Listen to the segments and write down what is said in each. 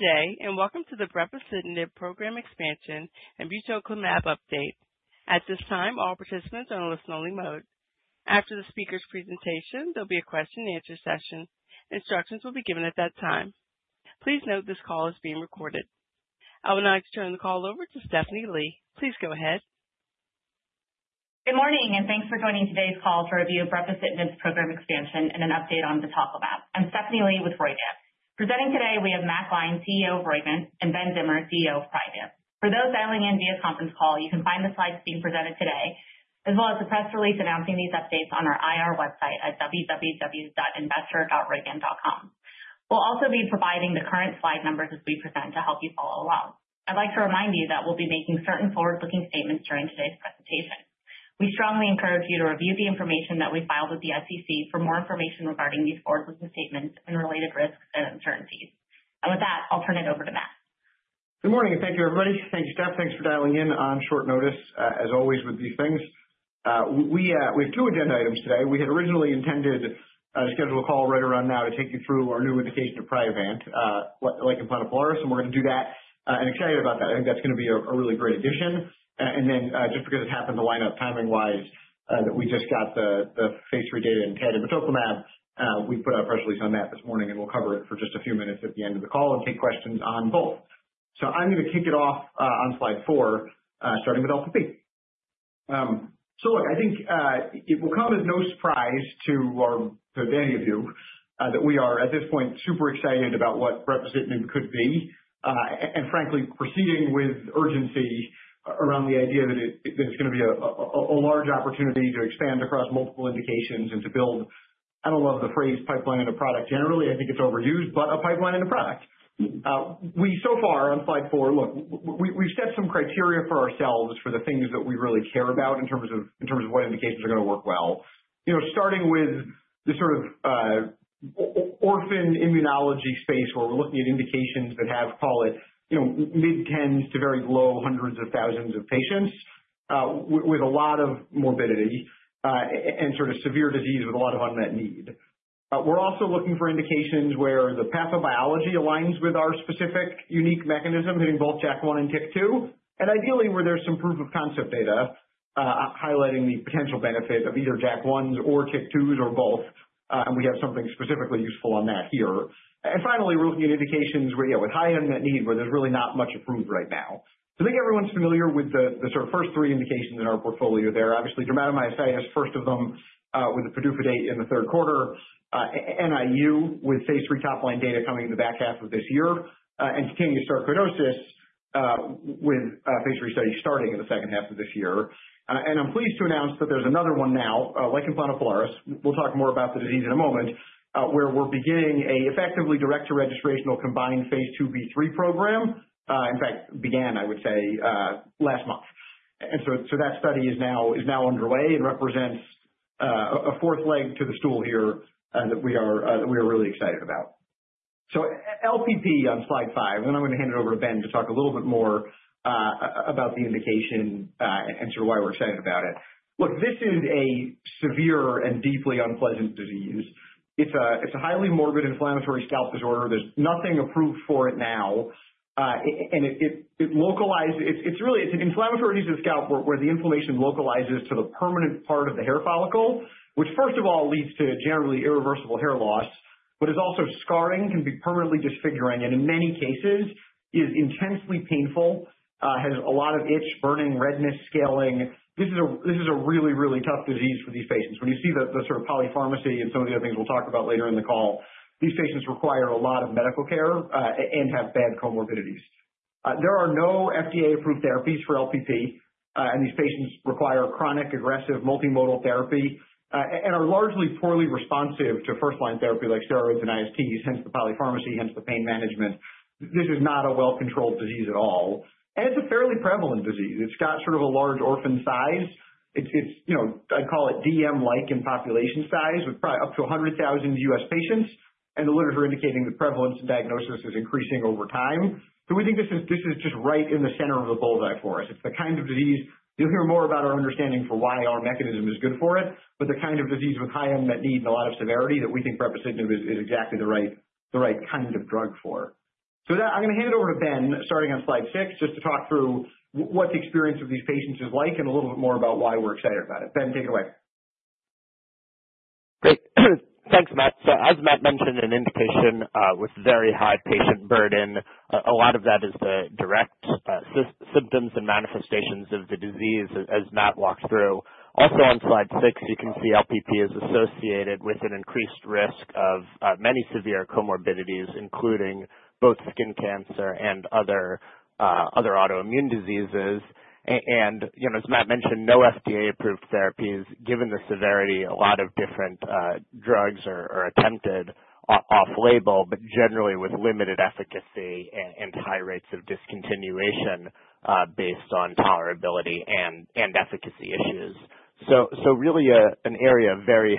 Good day, welcome to the brepocitinib program expansion and batoclimab update. At this time, all participants are on a listen only mode. After the speaker's presentation, there'll be a question and answer session. Instructions will be given at that time. Please note this call is being recorded. I would now like to turn the call over to Stephanie Lee. Please go ahead. Good morning, and thanks for joining today's call to review brepocitinib's program expansion and an update on the [tocilizumab]. I'm Stephanie Lee with Roivant. Presenting today we have Matt Gline, CEO of Roivant, and Ben Zimmer, CEO of Priovant. For those dialing in via conference call, you can find the slides being presented today, as well as the press release announcing these updates on our IR website at www.investor.roivant.com. We'll also be providing the current slide numbers as we present to help you follow along. I'd like to remind you that we'll be making certain forward-looking statements during today's presentation. We strongly encourage you to review the information that we filed with the SEC for more information regarding these forward-looking statements and related risks and uncertainties. With that, I'll turn it over to Matt. Good morning, and thank you, everybody. Thank you, Steph. Thanks for dialing in on short notice, as always with these things. We have two agenda items today. We had originally intended to schedule a call right around now to take you through our new indication of Priovant, lichen planopilaris, and we're gonna do that, and excited about that. I think that's gonna be a really great addition. Just because it happened to line up timing wise, that we just got the phase III data in batoclimab. We put out a press release on that this morning and we'll cover it for just a few minutes at the end of the call and take questions on both. I'm gonna kick it off on slide four, starting with LPP. Look, I think it will come as no surprise to any of you that we are at this point super excited about what brepocitinib could be, and frankly, proceeding with urgency around the idea that it's gonna be a large opportunity to expand across multiple indications and to build. I don't love the phrase pipeline into product generally. I think it's overused, but a pipeline into product. We so far on slide four, look, we've set some criteria for ourselves for the things that we really care about in terms of what indications are gonna work well. You know, starting with the sort of orphan immunology space where we're looking at indications that have, call it, you know, mid-tens to very low hundreds of thousands of patients, with a lot of morbidity, and sort of severe disease with a lot of unmet need. We're also looking for indications where the pathobiology aligns with our specific unique mechanism hitting both JAK1 and TYK2, and ideally where there's some proof of concept data, highlighting the potential benefit of either JAK1 or TYK2 or both. We have something specifically useful on that here. Finally, we're looking at indications where, you know, with high unmet need where there's really not much approved right now. I think everyone's familiar with the sort of first three indications in our portfolio there. Obviously, dermatomyositis, first of them, with the PDUFA date in the third quarter. NIU with phase III top-line data coming in the back half of this year. Cutaneous sarcoidosis with phase III study starting in the second half of this year. I'm pleased to announce that there's another one now, lichen planopilaris. We'll talk more about the disease in a moment, where we're beginning effectively direct to registrational combined phase IIb/III program. In fact began, I would say, last month. That study is now underway and represents a fourth leg to the stool here that we are really excited about. LPP on slide five, then I'm gonna hand it over to Ben to talk a little bit more about the indication and sort of why we're excited about it. Look, this is a severe and deeply unpleasant disease. It's a highly morbid inflammatory scalp disorder. There's nothing approved for it now. And it localize, it is really an inflammatory disease of the scalp where the inflammation localizes to the permanent part of the hair follicle. Which first of all leads to generally irreversible hair loss, but is also scarring, can be permanently disfiguring, and in many cases is intensely painful. It has a lot of itch, burning, redness, scaling. This is a really tough disease for these patients. When you see the sort of polypharmacy and some of the other things we'll talk about later in the call, these patients require a lot of medical care and have bad comorbidities. There are no FDA-approved therapies for LPP, and these patients require chronic aggressive multimodal therapy and are largely poorly responsive to first line therapy like steroids and ISGs, hence the polypharmacy, hence the pain management. This is not a well-controlled disease at all. It's a fairly prevalent disease. It's got sort of a large orphan size. You know, I'd call it DM-like in population size with probably up to 100,000 U.S. patients. The literature indicating the prevalence in diagnosis is increasing over time. We think this is just right in the center of the bull's eye for us. It's the kind of disease you'll hear more about our understanding for why our mechanism is good for it. The kind of disease with high unmet need and a lot of severity that we think brepocitinib is exactly the right kind of drug for. That I'm gonna hand it over to Ben, starting on slide six, just to talk through what the experience of these patients is like and a little bit more about why we're excited about it. Ben, take it away. Great. Thanks, Matt. As Matt mentioned, an indication with very high patient burden. A lot of that is the direct symptoms and manifestations of the disease as Matt walked through. Also on slide six, you can see LPP is associated with an increased risk of many severe comorbidities, including both skin cancer and other autoimmune diseases. You know, as Matt mentioned, no FDA-approved therapies. Given the severity, a lot of different drugs are attempted off label, but generally with limited efficacy and high rates of discontinuation based on tolerability and efficacy issues. Really an area of very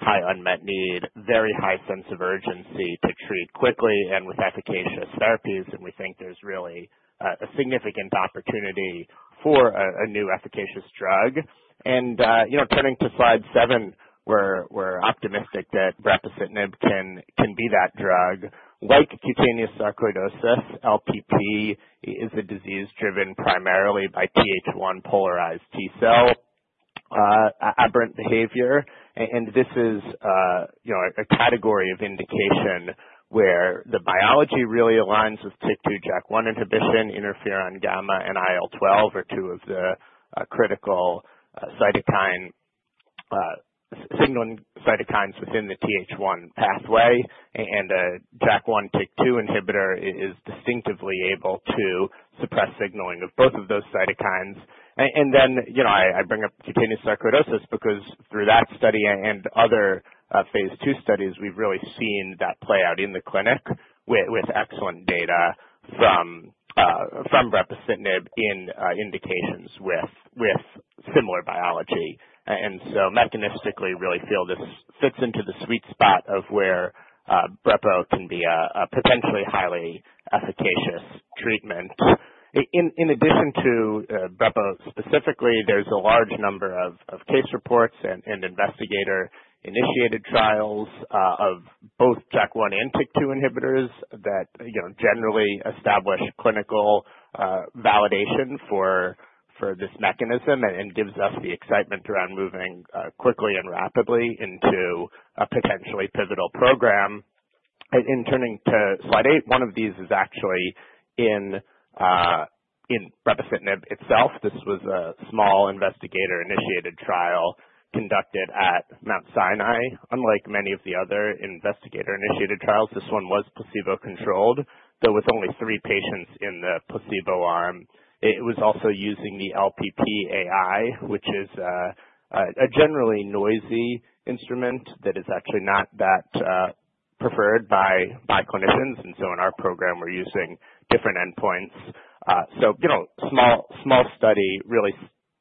high unmet need, very high sense of urgency to treat quickly and with efficacious therapies. We think there's really a significant opportunity for a new efficacious drug. You know, turning to slide seven, we're optimistic that brepocitinib can be that drug. Like cutaneous sarcoidosis, LPP is a disease driven primarily by TH1 polarized T cell aberrant behavior. This is, you know, a category of indication where the biology really aligns with TYK2/JAK1 inhibition. Interferon gamma and IL-12 are two of the critical cytokine signaling cytokines within the TH1 pathway. A JAK1/TYK2 inhibitor is distinctively able to suppress signaling of both of those cytokines. Then, you know, I bring up cutaneous sarcoidosis because through that study and other phase II studies, we've really seen that play out in the clinic with excellent data from brepocitinib in indications with similar biology. Mechanistically really feel this fits into the sweet spot of where brepocitinib can be a potentially highly efficacious treatment. In addition to brepocitinib specifically, there's a large number of case reports and investigator-initiated trials of both JAK1 and TYK2 inhibitors that you know generally establish clinical validation for this mechanism and gives us the excitement around moving quickly and rapidly into a potentially pivotal program. Turning to slide eight, one of these is actually in brepocitinib itself. This was a small investigator-initiated trial conducted at Mount Sinai. Unlike many of the other investigator-initiated trials, this one was placebo-controlled, though with only three patients in the placebo arm. It was also using the LPPAI, which is a generally noisy instrument that is actually not that preferred by clinicians. In our program, we're using different endpoints. You know, small study really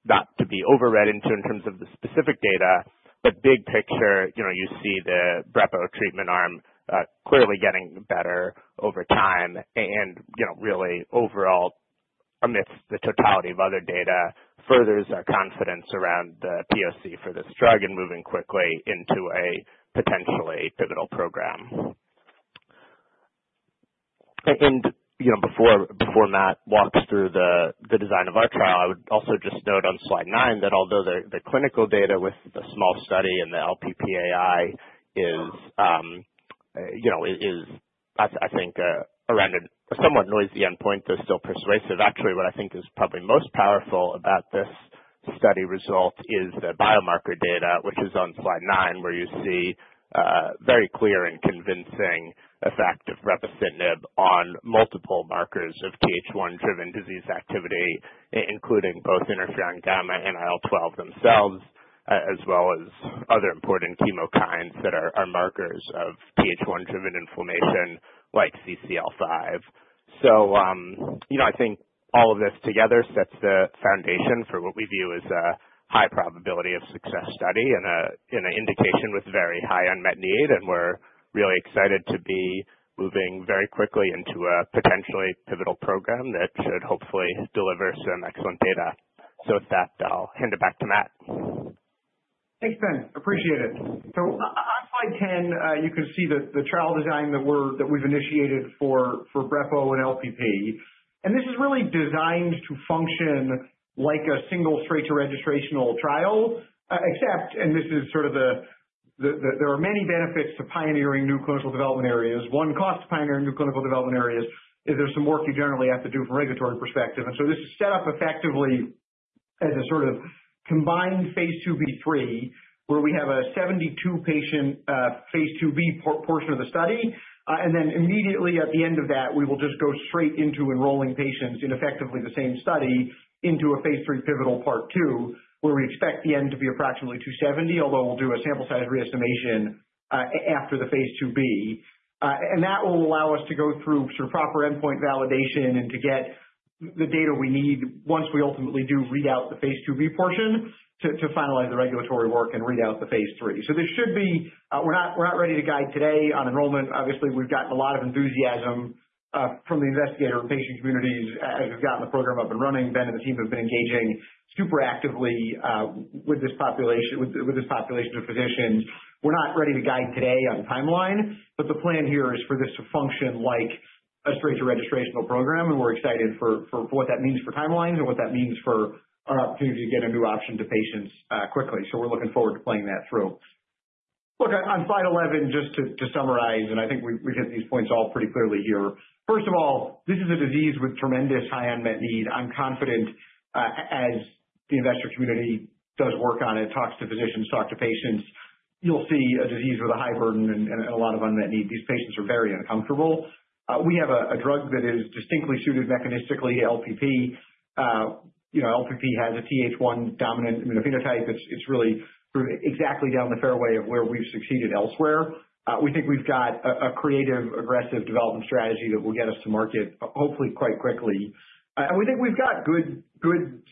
not to be overread into in terms of the specific data. Big picture, you know, you see the brepocitinib treatment arm clearly getting better over time. You know, really overall, amidst the totality of other data, furthers our confidence around the POC for this drug and moving quickly into a potentially pivotal program. You know, before Matt walks through the design of our trial, I would also just note on slide nine that although the clinical data with the small study and the LPPAI is, I think, around a somewhat noisy endpoint, though still persuasive. Actually, what I think is probably most powerful about this study result is the biomarker data, which is on slide nine, where you see very clear and convincing effect of brepocitinib on multiple markers of TH1-driven disease activity, including both Interferon gamma and IL-12 themselves, as well as other important chemokines that are markers of TH1-driven inflammation, like CCL5. You know, I think all of this together sets the foundation for what we view as a high probability of success study and an indication with very high unmet need. We're really excited to be moving very quickly into a potentially pivotal program that should hopefully deliver some excellent data. With that, I'll hand it back to Matt. Thanks, Ben. Appreciate it. On slide 10, you can see the trial design that we've initiated for brepocitinib and LPP. This is really designed to function like a single straight to registrational trial, except this is sort of, there are many benefits to pioneering new clinical development areas. One cost to pioneering new clinical development areas is there's some work you generally have to do from a regulatory perspective. This is set up effectively as a sort of combined phase IIb/III, where we have a 72-patient phase IIb portion of the study. Immediately at the end of that, we will just go straight into enrolling patients in effectively the same study into a phase III pivotal part two, where we expect the end to be approximately 270, although we'll do a sample size re-estimation after the phase IIb. That will allow us to go through sort of proper endpoint validation and to get the data we need once we ultimately do read out the phase IIb portion to finalize the regulatory work and read out the phase III. We're not ready to guide today on enrollment. Obviously, we've gotten a lot of enthusiasm from the investigator and patient communities as we've gotten the program up and running. Ben and the team have been engaging super actively with this population of physicians. We're not ready to guide today on timeline, but the plan here is for this to function like a straight to registrational program, and we're excited for what that means for timelines and what that means for our opportunity to get a new option to patients quickly. We're looking forward to playing that through. Look, on slide 11, just to summarize, and I think we hit these points all pretty clearly here. First of all, this is a disease with tremendous high unmet need. I'm confident, as the investor community does work on it, talks to physicians, talks to patients, you'll see a disease with a high burden and a lot of unmet need. These patients are very uncomfortable. We have a drug that is distinctly suited mechanistically, LPP. You know, LPP has a TH1 dominant immunophenotype. It's really sort of exactly down the fairway of where we've succeeded elsewhere. We think we've got a creative, aggressive development strategy that will get us to market hopefully quite quickly. We think we've got good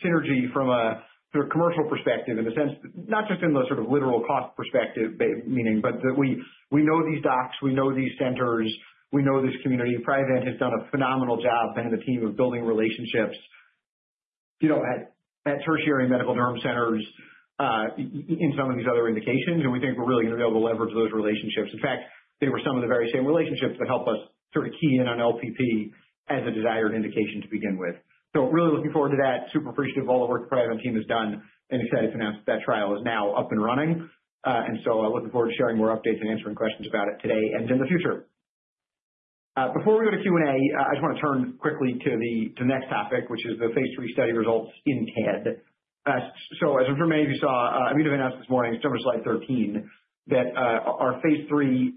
synergy from a sort of commercial perspective in the sense, not just in the sort of literal cost perspective meaning, but that we know these docs, we know these centers, we know this community. Priovant has done a phenomenal job and the team of building relationships, you know, at tertiary medical derm centers, in some of these other indications, and we think we're really gonna be able to leverage those relationships. In fact, they were some of the very same relationships that help us sort of key in on LPP as a desired indication to begin with. Really looking forward to that. Super appreciative of all the work the Priovant team has done. Excited to announce that trial is now up and running. Looking forward to sharing more updates and answering questions about it today and in the future. Before we go to Q&A, I just wanna turn quickly to the next topic, which is the phase III study results in TED. As maybe you saw, Immunovant announced this morning, it's on slide 13, that our phase III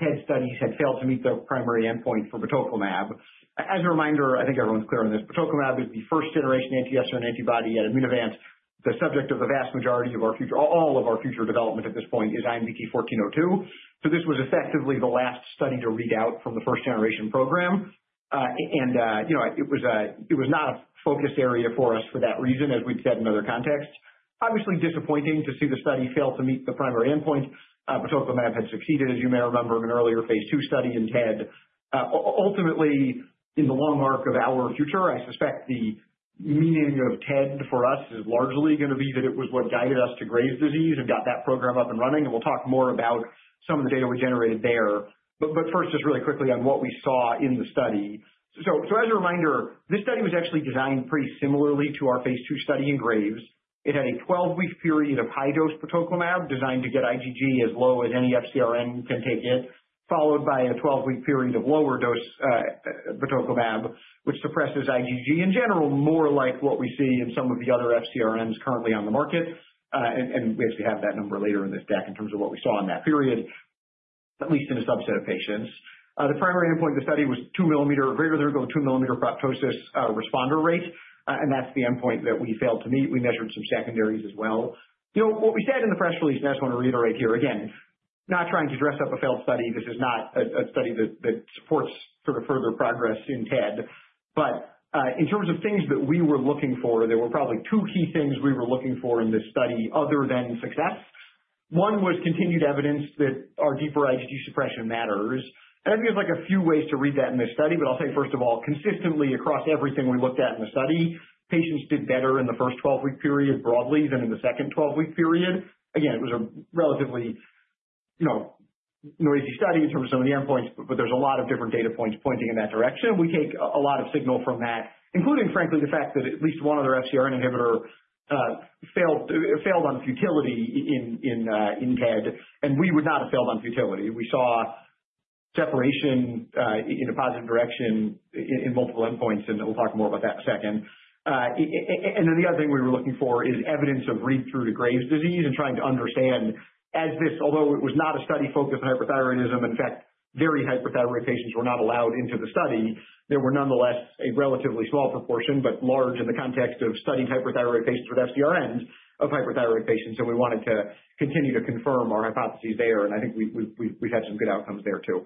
TED studies had failed to meet the primary endpoint for batoclimab. As a reminder, I think everyone's clear on this, batoclimab is the first generation anti-FcRn antibody at Immunovant. The subject of all of our future development at this point is IMVT-1402. This was effectively the last study to read out from the first generation program. You know, it was not a focus area for us for that reason, as we've said in other contexts. Obviously disappointing to see the study fail to meet the primary endpoint. Batoclimab had succeeded, as you may remember, in an earlier phase II study in TED. Ultimately, in the long arc of our future, I suspect the meaning of TED for us is largely gonna be that it was what guided us to Graves' disease and got that program up and running, and we'll talk more about some of the data we generated there. First, just really quickly on what we saw in the study. As a reminder, this study was actually designed pretty similarly to our phase II study in Graves. It had a 12-week period of high dose batoclimab designed to get IgG as low as any FcRn can take it, followed by a 12-week period of lower dose batoclimab, which suppresses IgG in general, more like what we see in some of the other FcRns currently on the market. We actually have that number later in this deck in terms of what we saw in that period, at least in a subset of patients. The primary endpoint of the study was 2 mm or greater than 2 mm proptosis responder rate, and that's the endpoint that we failed to meet. We measured some secondaries as well. You know, what we said in the press release, and I just wanna reiterate here again, not trying to dress up a failed study. This is not a study that supports sort of further progress in TED. In terms of things that we were looking for, there were probably two key things we were looking for in this study other than success. One was continued evidence that our deeper IgG suppression matters. I think there's like a few ways to read that in this study, but I'll tell you first of all, consistently across everything we looked at in the study, patients did better in the first 12-week period broadly than in the second 12-week period. Again, it was a relatively, you know, noisy study in terms of some of the endpoints, but there's a lot of different data points pointing in that direction. We take a lot of signal from that, including frankly the fact that at least one other FcRn inhibitor failed on futility in TED, and we would not have failed on futility. We saw separation in a positive direction in multiple endpoints, and we'll talk more about that in a second. The other thing we were looking for is evidence of read-through to Graves' disease and trying to understand as this although it was not a study focused on hyperthyroidism, in fact, very hyperthyroid patients were not allowed into the study. There were nonetheless a relatively small proportion, but large in the context of studying hyperthyroid patients with FcRns of hyperthyroid patients, so we wanted to continue to confirm our hypotheses there, and I think we've had some good outcomes there too.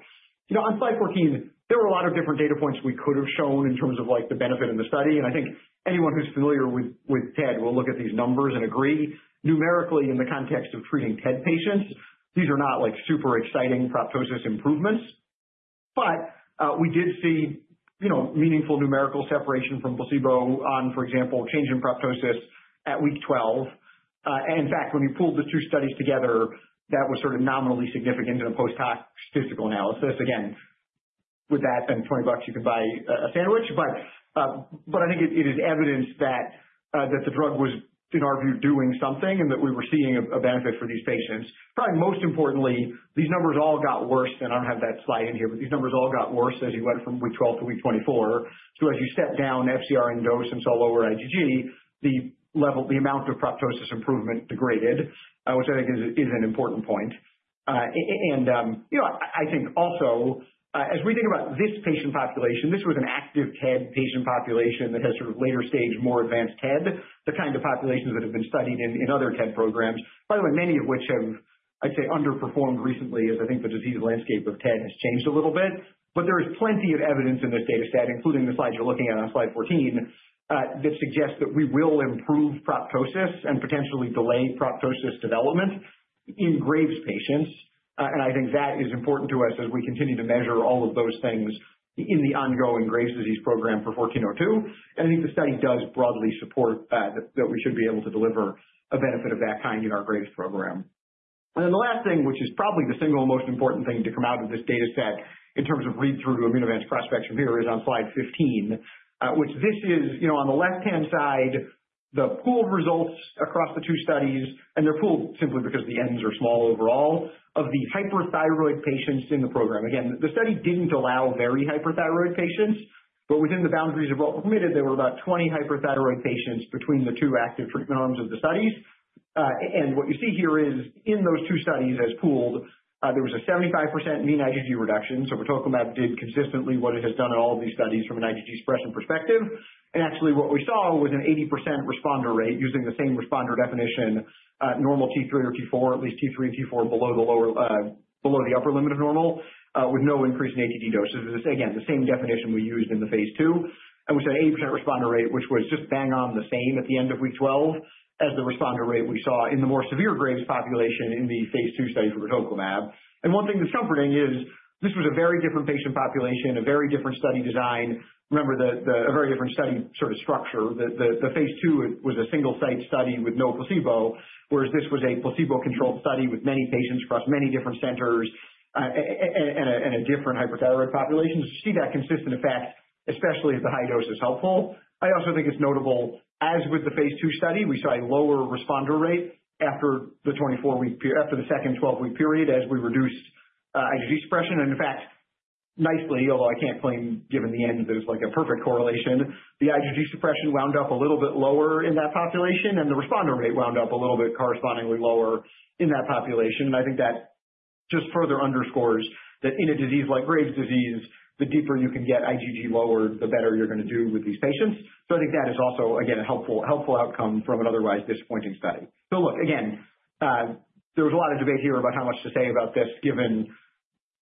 You know, on slide 14, there were a lot of different data points we could have shown in terms of like the benefit in the study, and I think anyone who's familiar with TED will look at these numbers and agree. Numerically in the context of treating TED patients, these are not like super exciting proptosis improvements. We did see, you know, meaningful numerical separation from placebo on, for example, change in proptosis at week 12. In fact, when we pooled the two studies together, that was sort of nominally significant in a post-hoc statistical analysis. Again, with that and $20 you could buy a sandwich. I think it is evidence that the drug was in our view doing something and that we were seeing a benefit for these patients. Probably most importantly, these numbers all got worse, and I don't have that slide in here, but these numbers all got worse as you went from week 12 to week 24. As you set down FcRn dose and saw lower IgG, the level, the amount of proptosis improvement degraded, which I think is an important point. You know, I think also, as we think about this patient population, this was an active TED patient population that has sort of later stage, more advanced TED, the kind of populations that have been studied in other TED programs. By the way, many of which have, I'd say, underperformed recently as I think the disease landscape of TED has changed a little bit. There is plenty of evidence in this data set, including the slide you're looking at on slide 14, that suggests that we will improve proptosis and potentially delay proptosis development in Graves patients. I think that is important to us as we continue to measure all of those things in the ongoing Graves' Disease Program for 1402. I think the study does broadly support that we should be able to deliver a benefit of that kind in our Graves program. Then the last thing, which is probably the single most important thing to come out of this data set in terms of read-through to Immunovant prospects from here is on slide 15. This is, you know, on the left-hand side, the pooled results across the two studies, and they're pooled simply because the n's are small overall, of the hyperthyroid patients in the program. Again, the study didn't allow very hyperthyroid patients, but within the boundaries of what was permitted, there were about 20 hyperthyroid patients between the two active treatment arms of the studies. And what you see here is in those two studies as pooled, there was a 75% mean IgG reduction. So rituximab did consistently what it has done in all of these studies from an IgG expression perspective. And actually what we saw was an 80% responder rate using the same responder definition, normal T3 or T4, at least T3 and T4 below the upper limit of normal, with no increase in IgG doses. This is, again, the same definition we used in the phase II. We saw 80% responder rate, which was just bang on the same at the end of week 12 as the responder rate we saw in the more severe Graves' population in the phase II study for rituximab. One thing that's comforting is this was a very different patient population, a very different study design. Remember, a very different study structure. The phase II was a single-site study with no placebo, whereas this was a placebo-controlled study with many patients across many different centers, and a different hyperthyroid population. To see that consistent effect, especially if the high dose is helpful. I also think it's notable, as with the phase II study, we saw a lower responder rate after the 24-week period after the second 12-week period as we reduced IgG suppression. In fact, nicely, although I can't claim given the end, there's like a perfect correlation, the IgG suppression wound up a little bit lower in that population, and the responder rate wound up a little bit correspondingly lower in that population. I think that just further underscores that in a disease like Graves' disease, the deeper you can get IgG lower, the better you're gonna do with these patients. I think that is also, again, a helpful outcome from an otherwise disappointing study. Look, again, there was a lot of debate here about how much to say about this given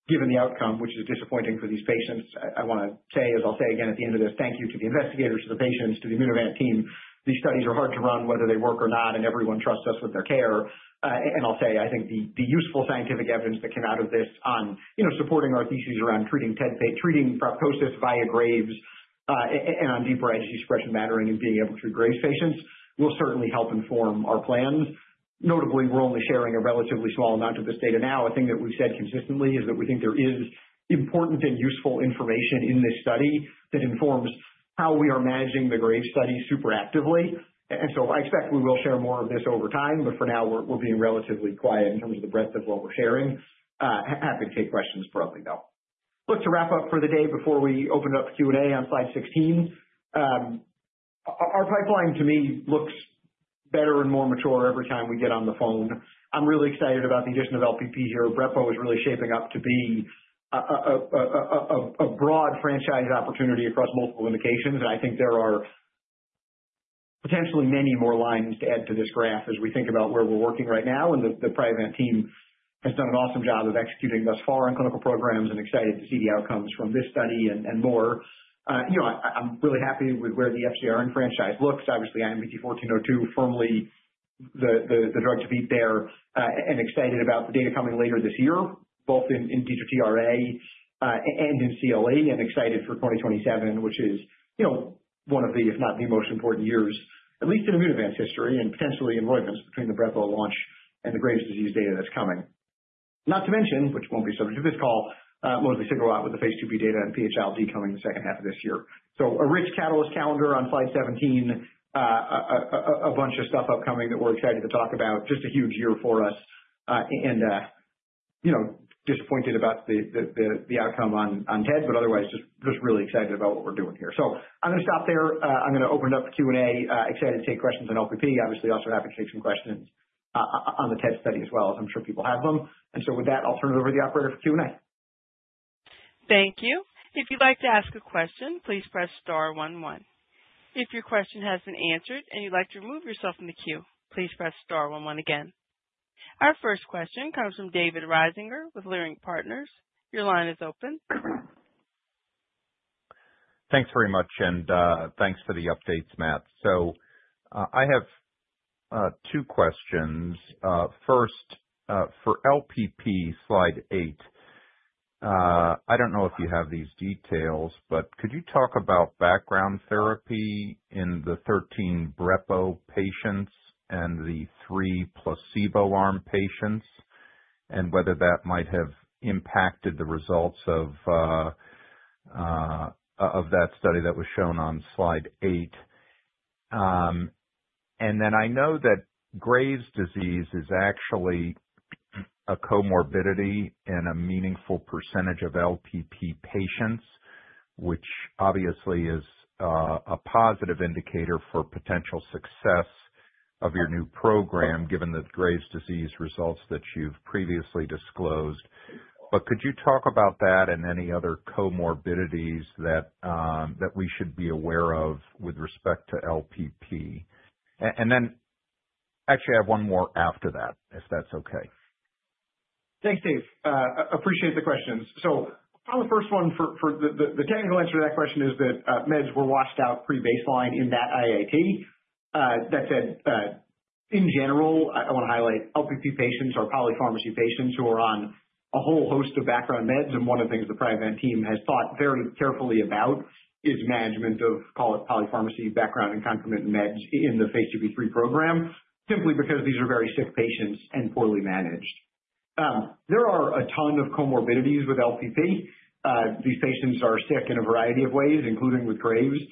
the outcome, which is disappointing for these patients. I wanna say, as I'll say again at the end of this, thank you to the investigators, to the patients, to the Immunovant team. These studies are hard to run, whether they work or not, and everyone trusts us with their care. I'll say, I think the useful scientific evidence that came out of this on, you know, supporting our thesis around treating proptosis via Graves', and on deep IgG suppression mattering and being able to treat Graves' patients will certainly help inform our plans. Notably, we're only sharing a relatively small amount of this data now. A thing that we've said consistently is that we think there is important and useful information in this study that informs how we are managing the Graves' study super actively. I expect we will share more of this over time, but for now we're being relatively quiet in terms of the breadth of what we're sharing. Happy to take questions broadly, though. Look to wrap up for the day before we open up Q&A on slide 16. Our pipeline to me looks better and more mature every time we get on the phone. I'm really excited about the addition of LPP here. Brepocitinib is really shaping up to be a broad franchise opportunity across multiple indications. I think there are potentially many more lines to add to this graph as we think about where we're working right now. The private team has done an awesome job of executing thus far on clinical programs and excited to see the outcomes from this study and more. You know, I'm really happy with where the FcRn franchise looks. Obviously, IMVT-1402 firmly the drug to beat there, and excited about the data coming later this year, both in INDIGITRA and in CLE, and excited for 2027, which is, you know, one of the, if not the most important years, at least in Immunovant's history and potentially in Roivant between the brepocitinib launch and the Graves' disease data that's coming. Not to mention, which won't be subject to this call, [mosunetuzumab] with the phase IIb data and PH-ILD coming in the second half of this year. A rich catalyst calendar on slide 17. A bunch of stuff upcoming that we're excited to talk about. Just a huge year for us. You know, disappointed about the outcome on TED, but otherwise just really excited about what we're doing here. I'm gonna stop there. I'm gonna open up the Q&A. Excited to take questions on LPP, obviously also happy to take some questions on the TED study as well, as I'm sure people have them. With that, I'll turn it over to the operator for Q&A. Thank you. If you like to ask a question please press star one one, if your question hasn't answered and you like to move yourself in the queue, please press star one one again. Our first question comes from David Risinger with Leerink Partners. Your line is open. Thanks very much, and thanks for the updates, Matt. I have two questions. First, for LPP, slide eight, I don't know if you have these details, but could you talk about background therapy in the 13 brepocitinib patients and the three placebo arm patients, and whether that might have impacted the results of that study that was shown on slide eight? I know that Graves' disease is actually a comorbidity in a meaningful percentage of LPP patients, which obviously is a positive indicator for potential success of your new program, given the Graves' disease results that you've previously disclosed. Could you talk about that and any other comorbidities that we should be aware of with respect to LPP? Actually I have one more after that, if that's okay? Thanks, David. Appreciate the questions. On the first one, the technical answer to that question is that meds were washed out pre-baseline in that IIT. That said, in general, I want to highlight LPP patients are polypharmacy patients who are on a whole host of background meds, and one of the things the Priovant team has thought very carefully about is management of, call it, polypharmacy background and complement meds in the phase II/III program, simply because these are very sick patients and poorly managed. There are a ton of comorbidities with LPP. These patients are sick in a variety of ways, including with Graves'.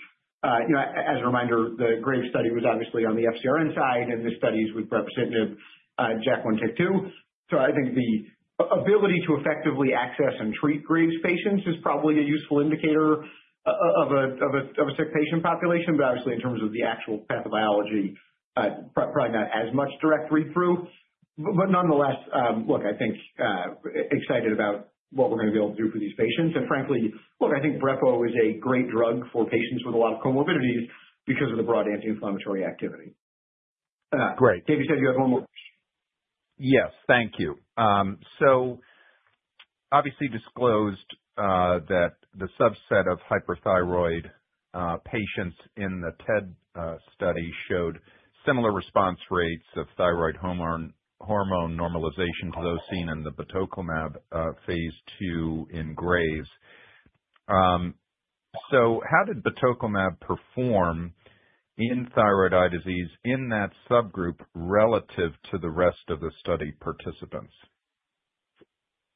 You know, as a reminder, the Graves' study was obviously on the FcRn side and the studies with brepocitinib, JAK1/TYK2. I think the ability to effectively access and treat Graves' patients is probably a useful indicator of a sick patient population. Obviously in terms of the actual pathobiology, probably not as much direct read-through. But nonetheless, look, I think excited about what we're gonna be able to do for these patients. Frankly, look, I think brepocitinib is a great drug for patients with a lot of comorbidities because of the broad anti-inflammatory activity. Great. David, you said you had one more? Yes. Thank you. Obviously disclosed that the subset of hyperthyroid patients in the TED study showed similar response rates of thyroid hormone normalization to those seen in the batoclimab phase II in Graves. How did batoclimab perform in thyroid eye disease in that subgroup relative to the rest of the study participants?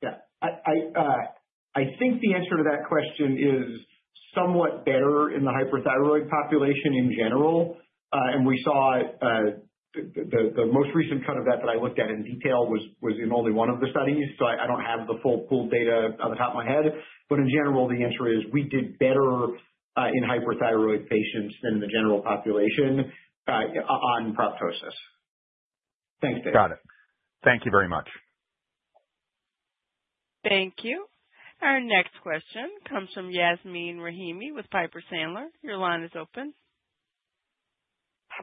Yeah. I think the answer to that question is somewhat better in the hyperthyroid population in general. We saw the most recent cut of that I looked at in detail was in only one of the studies, so I don't have the full pooled data off the top of my head. In general, the answer is we did better in hyperthyroid patients than the general population on proptosis. Thanks, David. Got it. Thank you very much. Thank you. Our next question comes from Yasmeen Rahimi with Piper Sandler. Your line is open.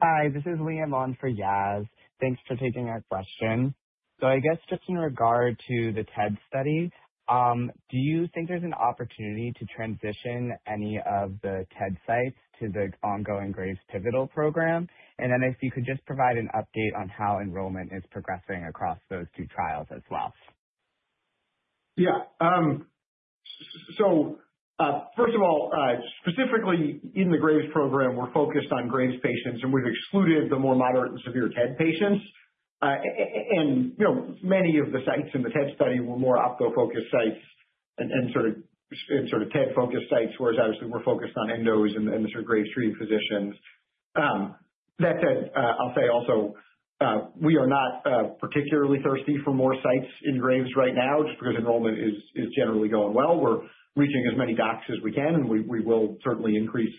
Hi, this is Liam on for Yas. Thanks for taking our question. I guess just in regard to the TED study, do you think there's an opportunity to transition any of the TED sites to the ongoing Graves pivotal program? And then if you could just provide an update on how enrollment is progressing across those two trials as well. Yeah. First of all, specifically in the Graves program, we're focused on Graves patients, and we've excluded the more moderate and severe TED patients. You know, many of the sites in the TED study were more ophtho-focused sites and sort of TED-focused sites, whereas obviously we're focused on endos and the sort of Graves-treated physicians. That said, I'll say also, we are not particularly thirsty for more sites in Graves right now just because enrollment is generally going well. We're reaching as many docs as we can, and we will certainly increase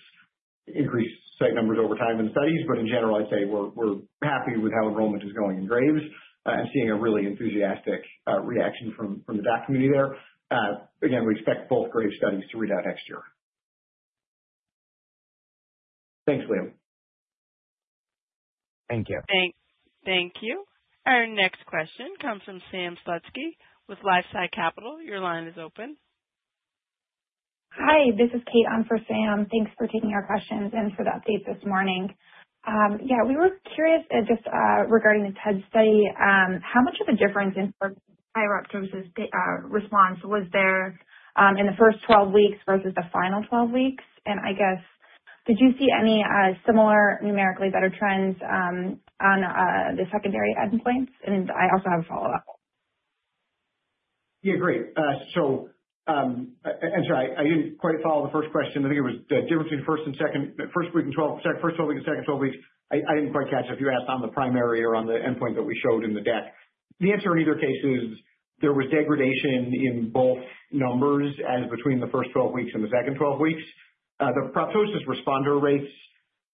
site numbers over time in studies. In general, I'd say we're happy with how enrollment is going in Graves and seeing a really enthusiastic reaction from the doc community there. Again, we expect both Graves studies to read out next year. Thanks, Liam. Thank you. Thank you. Our next question comes from Sam Slutsky with LifeSci Capital. Your line is open. Hi, this is Kate on for Sam. Thanks for taking our questions and for the update this morning. We were curious regarding the TED study, how much of a difference in sort of proptosis response was there in the first 12 weeks versus the final 12 weeks? I guess, did you see any similar numerically better trends on the secondary endpoints? I also have a follow-up. Yeah, great. So, and sorry, I didn't quite follow the first question. I think it was the difference between first and second first 12 weeks and second 12 weeks. I didn't quite catch if you asked on the primary or on the endpoint that we showed in the deck. The answer in either case is there was degradation in both numbers as between the first 12 weeks and the second 12 weeks. The proptosis responder rates,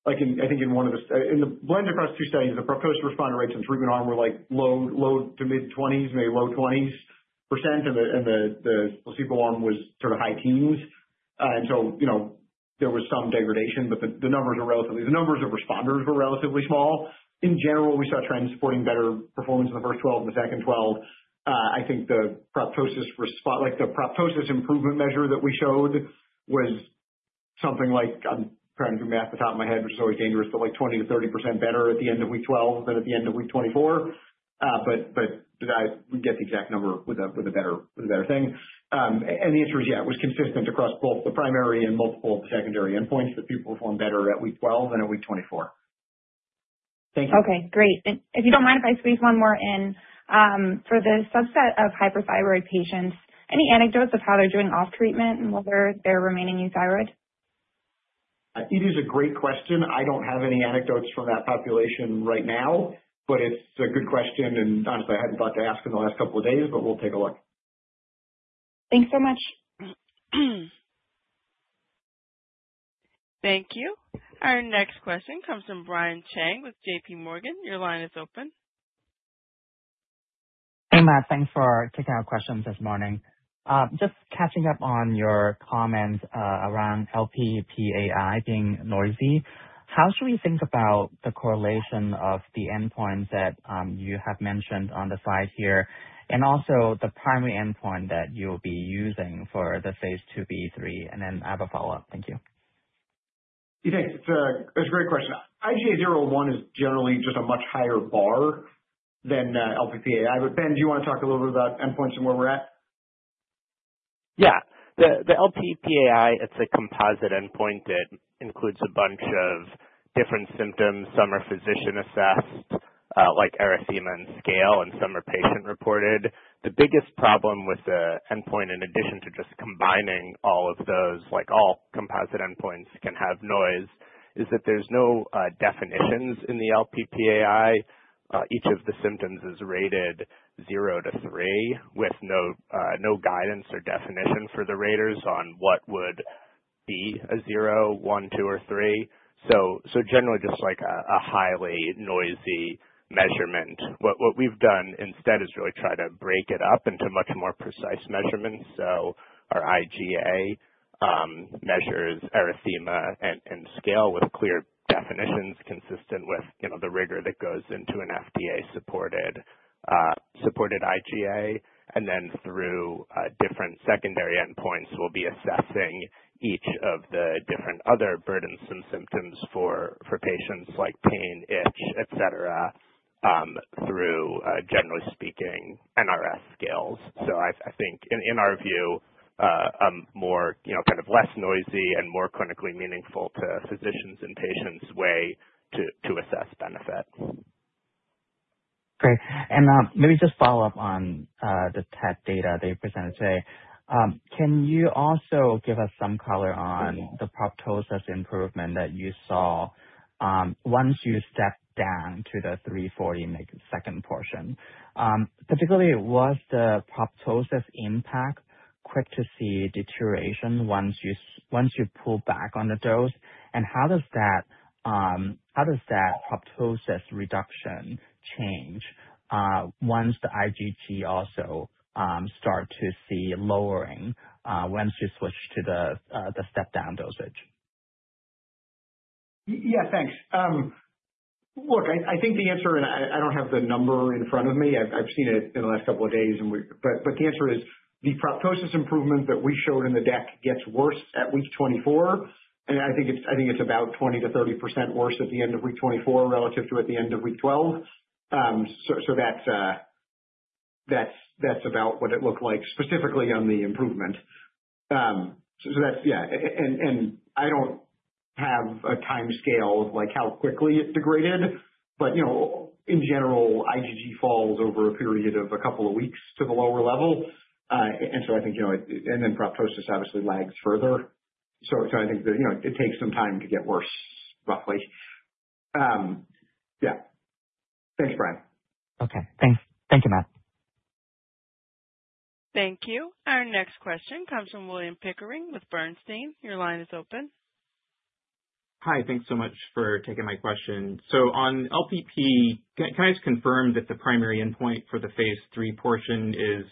like in, I think in the blend across two studies, the proptosis responder rates in batoclimab arm were like low to mid-20s%, maybe low-20s%, and the placebo arm was sort of high-teens. You know, there was some degradation, but the numbers are relatively. The numbers of responders were relatively small. In general, we saw trends supporting better performance in the first 12 and the second 12. I think like, the proptosis improvement measure that we showed was something like, I'm trying to do math at the top of my head, which is always dangerous, but like 20%-30% better at the end of week 12 than at the end of week 24. Did I get the exact number with a better thing. The answer is yeah, it was consistent across both the primary and multiple secondary endpoints that people performed better at week 12 than at week 24. Thank you. Okay, great. If you don't mind, if I squeeze one more in. For the subset of hyperthyroid patients, any anecdotes of how they're doing off treatment and whether they're remaining euthyroid? It is a great question. I don't have any anecdotes from that population right now, but it's a good question, and honestly I hadn't thought to ask in the last couple of days, but we'll take a look. Thanks so much. Thank you. Our next question comes from Brian Cheng with JPMorgan. Your line is open. Hey, Matt. Thanks for taking our questions this morning. Just catching up on your comments around LPPAI being noisy. How should we think about the correlation of the endpoints that you have mentioned on the slide here, and also the primary endpoint that you'll be using for the phase IIb/III? I have a follow-up. Thank you. Yeah, thanks. It's a great question. IGA 0/1 is generally just a much higher bar than LPPAI. Ben, do you wanna talk a little bit about endpoints and where we're at? Yeah. The LPPAI, it's a composite endpoint that includes a bunch of different symptoms. Some are physician-assessed. Like erythema and scale, and some are patient-reported. The biggest problem with the endpoint, in addition to just combining all of those, like all composite endpoints can have noise, is that there's no definitions in the LPPAI. Each of the symptoms is rated 0 to 3 with no guidance or definition for the raters on what would be a 0, 1, 2 or 3. Generally just like a highly noisy measurement. What we've done instead is really try to break it up into much more precise measurements. Our IGA measures erythema and scale with clear definitions consistent with, you know, the rigor that goes into an FDA-supported IGA. Through different secondary endpoints, we'll be assessing each of the different other burdens and symptoms for patients like pain, itch, etc, through generally speaking NRS scales. I think in our view, more you know kind of less noisy and more clinically meaningful to physicians and patients way to assess benefit. Great. Maybe just follow-up on the TED data that you presented today. Can you also give us some color on the proptosis improvement that you saw once you stepped down to the 340 mg subcutaneous portion? Particularly, was the proptosis impact quick to see deterioration once you pull back on the dose? How does that proptosis reduction change once the IgG also start to see lowering once you switch to the step-down dosage? Yeah, thanks. Look, I think the answer. I don't have the number in front of me. I've seen it in the last couple of days. The proptosis improvement that we showed in the deck gets worse at week 24. I think it's about 20%-30% worse at the end of week 24 relative to at the end of week 12. That's about what it looked like specifically on the improvement. Yeah. I don't have a timescale of, like, how quickly it degraded, but you know, in general, IgG falls over a period of a couple of weeks to the lower level. I think you know it. Proptosis obviously lags further. I think that, you know, it takes some time to get worse, roughly. Yeah. Thanks, Brian. Okay, thanks. Thank you, Matt. Thank you. Our next question comes from William Pickering with Bernstein. Your line is open. Hi. Thanks so much for taking my question. On LPP, can I just confirm that the primary endpoint for the phase III portion is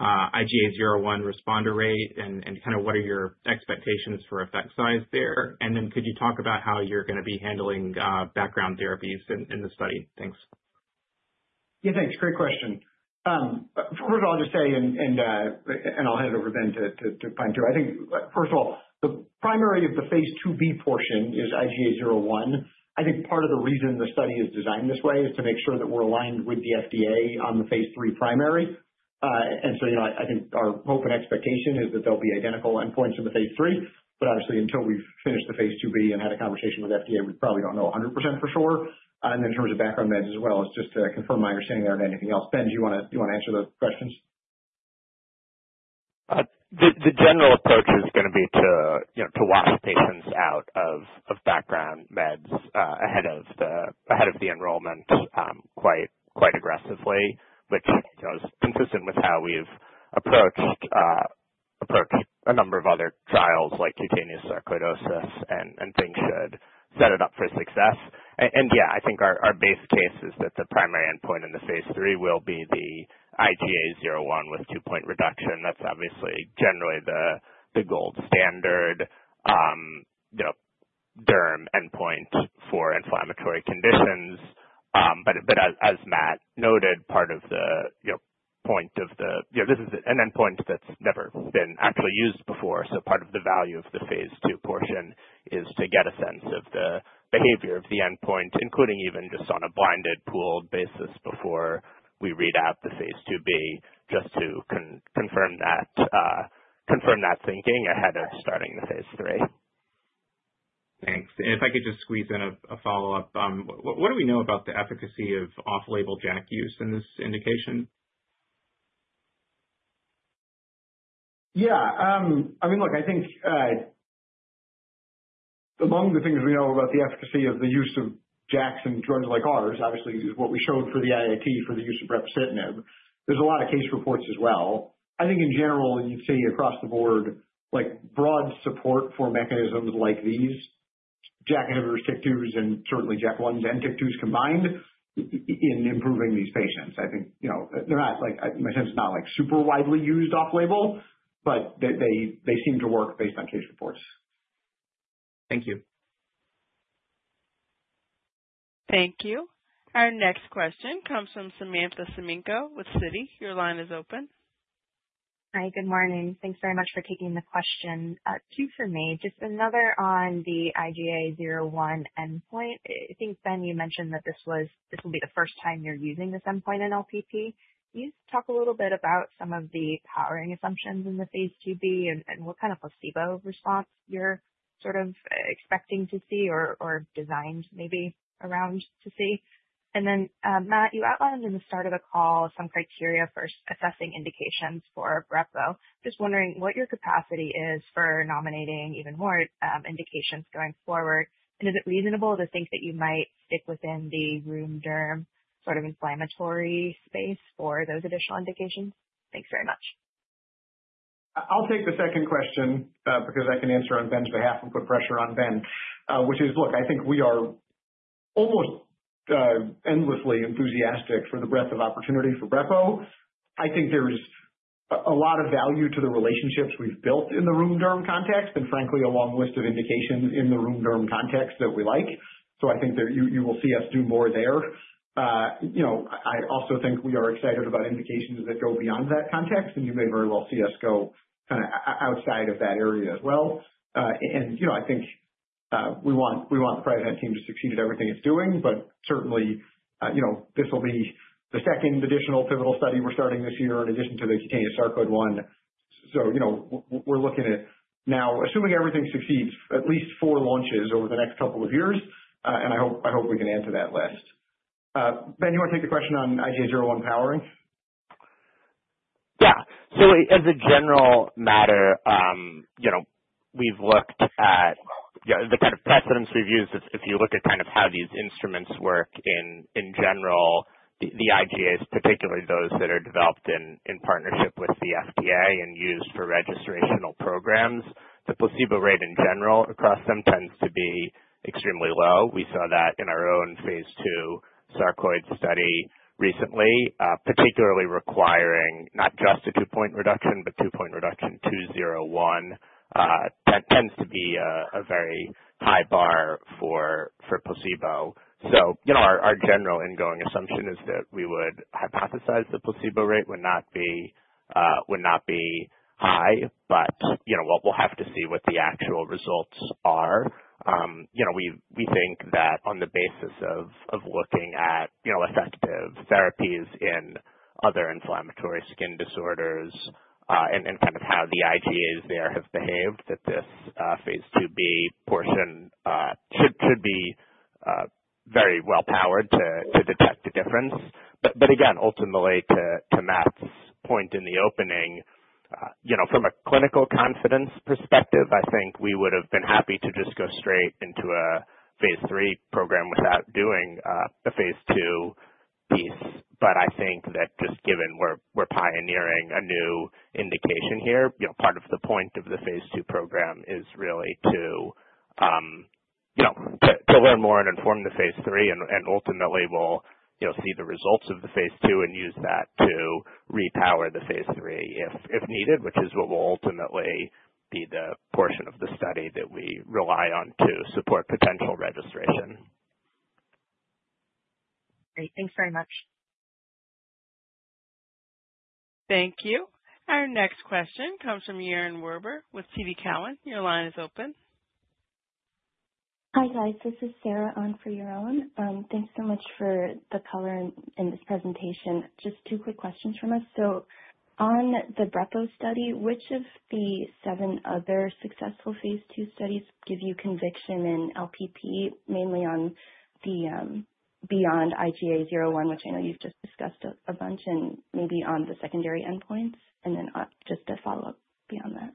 IGA 0/1 responder rate? Kind of what are your expectations for effect size there? Could you talk about how you're gonna be handling background therapies in the study? Thanks. Yeah, thanks. Great question. First of all, I'll just say I'll hand it over to Ben to fine-tune. I think first of all, the primary of the phase IIb portion is IGA 0/1. I think part of the reason the study is designed this way is to make sure that we're aligned with the FDA on the phase III primary. You know, I think our hope and expectation is that they'll be identical endpoints in the phase III, but obviously, until we've finished the phase IIb and had a conversation with FDA, we probably don't know 100% for sure. In terms of background meds as well, just to confirm my understanding there, anything else? Ben, do you want to answer those questions? The general approach is gonna be to you know to wash patients out of background meds ahead of the enrollment quite aggressively. Which you know is consistent with how we've approached a number of other trials like cutaneous sarcoidosis and things should set it up for success. Yeah, I think our base case is that the primary endpoint in the phase III will be the IGA 0/1 with two-point reduction. That's obviously generally the gold standard you know derm endpoint for inflammatory conditions. But as Matt noted, part of the you know point of the. You know, this is an endpoint that's never been actually used before, so part of the value of the phase II portion is to get a sense of the behavior of the endpoint, including even just on a blinded pooled basis before we read out the phase IIb, just to confirm that thinking ahead of starting the phase III. Thanks. If I could just squeeze in a follow-up. What do we know about the efficacy of off-label JAK use in this indication? Yeah. I mean, look, I think, among the things we know about the efficacy of the use of JAKs and drugs like ours, obviously, is what we showed for the AIT for the use of brepocitinib. There's a lot of case reports as well. I think in general, you'd see across the board, like broad support for mechanisms like these, JAK inhibitors, TYK2s, and certainly JAK1s and TYK2s combined in improving these patients. I think, you know, they're not like. My sense is not like super widely used off-label, but they seem to work based on case reports. Thank you. Thank you. Our next question comes from Samantha Semenkow with Citi. Your line is open. Hi. Good morning. Thanks very much for taking the question. Two for me. Just another on the IGA 0/1 endpoint. I think, Ben, you mentioned that this will be the first time you're using this endpoint in LPP. Can you talk a little bit about some of the powering assumptions in the phase IIb and what kind of placebo response you're sort of expecting to see or designed maybe around to see? Then, Matt, you outlined in the start of the call some criteria for assessing indications for brepocitinib. Just wondering what your capacity is for nominating even more indications going forward, and is it reasonable to think that you might stick within the rheum-derm sort of inflammatory space for those additional indications? Thanks very much. I'll take the second question, because I can answer on Ben's behalf and put pressure on Ben. Which is, look, I think we are almost endlessly enthusiastic for the breadth of opportunity for brepocitinib. I think there's a lot of value to the relationships we've built in the rheum-derm context and frankly a long list of indications in the rheum-derm context that we like. So I think that you will see us do more there. You know, I also think we are excited about indications that go beyond that context, and you may very well see us go kind of outside of that area as well. You know, I think we want the Priovant team to succeed at everything it's doing, but certainly, you know, this will be the second additional pivotal study we're starting this year in addition to the cutaneous sarcoidosis one. You know, we're looking at now, assuming everything succeeds, at least four launches over the next couple of years. I hope we can answer that last. Ben, you wanna take the question on IGA 0/1 powering? Yeah. As a general matter, you know, we've looked at, you know, the kind of precedent reviews, if you look at kind of how these instruments work in general, the IGAs, particularly those that are developed in partnership with the FDA and used for registrational programs. The placebo rate in general across them tends to be extremely low. We saw that in our own phase II sarcoid study recently, particularly requiring not just a two-point reduction but two-point reduction to 0/1. That tends to be a very high bar for placebo. You know, our general ingoing assumption is that we would hypothesize the placebo rate would not be high. You know, we'll have to see what the actual results are. You know, we think that on the basis of looking at, you know, effective therapies in other inflammatory skin disorders, and kind of how the IGAs there have behaved, that this phase IIb portion should be very well powered to detect a difference. Again, ultimately, to Matt's point in the opening, you know, from a clinical confidence perspective, I think we would've been happy to just go straight into a phase III program without doing the phase II piece. I think that just given we're pioneering a new indication here, you know, part of the point of the phase II program is really to learn more and inform the phase III. Ultimately we'll, you know, see the results of the phase II and use that to repower the phase III if needed, which is what will ultimately be the portion of the study that we rely on to support potential registration. Great. Thanks very much. Thank you. Our next question comes from Yaron Werber with TD Cowen. Your line is open. Hi, guys. This is Sarah on for Yaron. Thanks so much for the color in this presentation. Just two quick questions from us. On the brepocitinib study, which of the seven other successful phase II studies give you conviction in LPP, mainly on the beyond IGA 0/1, which I know you've just discussed a bunch, and maybe on the secondary endpoints? Then, just a follow-up beyond that.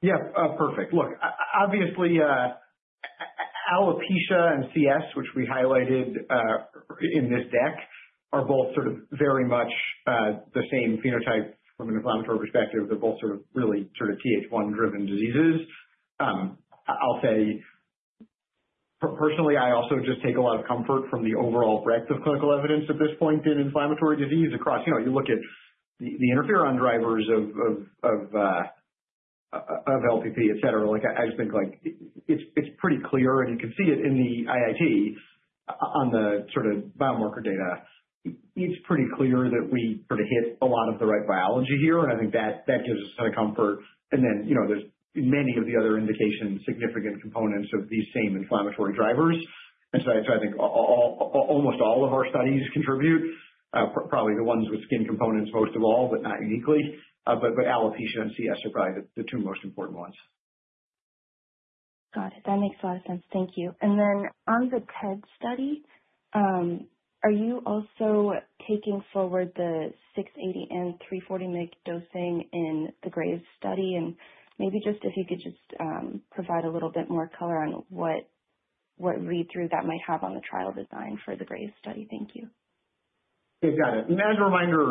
Yeah. Perfect. Look, obviously, alopecia and CS, which we highlighted in this deck, are both sort of very much the same phenotype from an inflammatory perspective. They're both sort of really TH1 driven diseases. I'll say personally, I also just take a lot of comfort from the overall breadth of clinical evidence at this point in inflammatory disease across. You know, you look at the interferon drivers of LPP, etc. Like, I just think, it's pretty clear, and you can see it in the IIT on the sort of biomarker data. It's pretty clear that we sort of hit a lot of the right biology here, and I think that gives us kind of comfort. You know, there's many of the other indications, significant components of these same inflammatory drivers. I think almost all of our studies contribute, probably the ones with skin components most of all, but not uniquely. But alopecia and CS are probably the two most important ones. Got it. That makes a lot of sense. Thank you. On the TED study, are you also taking forward the 680 and 340 mg dosing in the Graves' study? Maybe if you could just provide a little bit more color on what read-through that might have on the trial design for the Graves' study. Thank you. Yeah. Got it. As a reminder,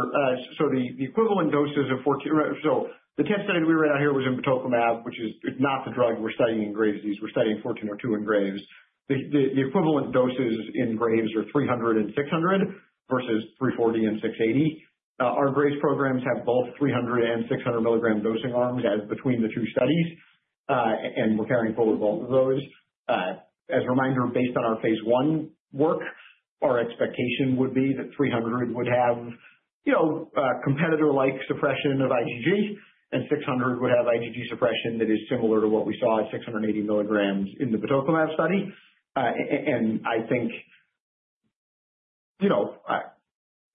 the TED study we ran out here was in batoclimab, which is not the drug we're studying in Graves' disease. We're studying IMVT-1402 in Graves. The equivalent doses in Graves are 300 and 600 versus 340 and 680. Our Graves programs have both 300- and 600-mg dosing arms between the two studies, and we're carrying forward both of those. As a reminder, based on our phase I work. Our expectation would be that 300 would have, you know, competitor-like suppression of IgG and 600 would have IgG suppression that is similar to what we saw at 680 mg in the batoclimab study. I think, you know,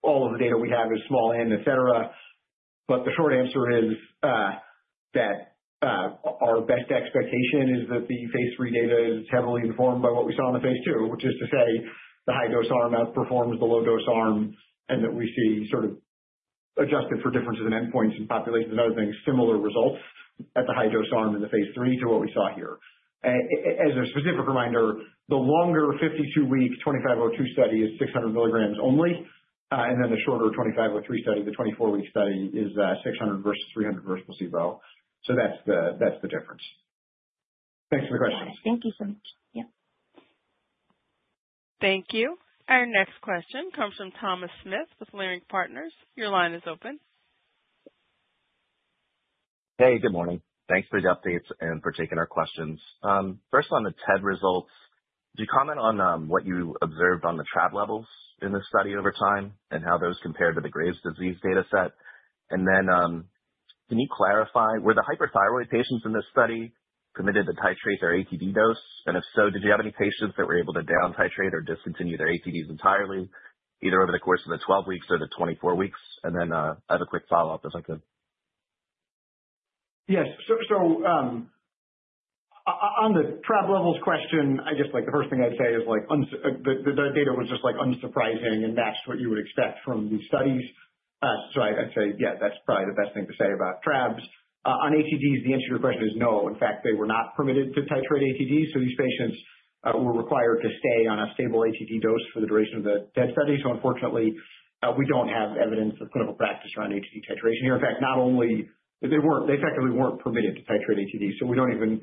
all of the data we have is [small, N], etc. The short answer is that our best expectation is that the phase III data is heavily informed by what we saw in the phase II, which is to say the high-dose arm outperforms the low-dose arm and that we see sort of adjusted for differences in endpoints and populations, other things, similar results at the high-dose arm in the phase III to what we saw here. As a specific reminder, the longer 52-week 2502 study is 600 mg only, and then the shorter 2503 study, the 24-week study is 600 versus 300 versus placebo. That's the difference. Thanks for the question. Yeah. Thank you so much. Yep. Thank you. Our next question comes from Thomas Smith with Leerink Partners. Your line is open. Hey, good morning. Thanks for the updates and for taking our questions. First on the TED results, could you comment on what you observed on the TRAb levels in this study over time and how those compare to the Graves' disease data set? Can you clarify, were the hyperthyroid patients in this study permitted to titrate their ATD dose? If so, did you have any patients that were able to down titrate or discontinue their ATDs entirely, either over the course of the 12 weeks or the 24 weeks? I have a quick follow-up if I could. Yes. On the TRAb levels question, I just like the first thing I'd say is like the data was just like unsurprising and matched what you would expect from these studies. I'd say, yeah, that's probably the best thing to say about TRAbs. On ATDs, the answer to your question is no. In fact, they were not permitted to titrate ATDs, so these patients were required to stay on a stable ATD dose for the duration of the TED study. Unfortunately, we don't have evidence of clinical practice around ATD titration here. In fact, they effectively weren't permitted to titrate ATDs, so we don't even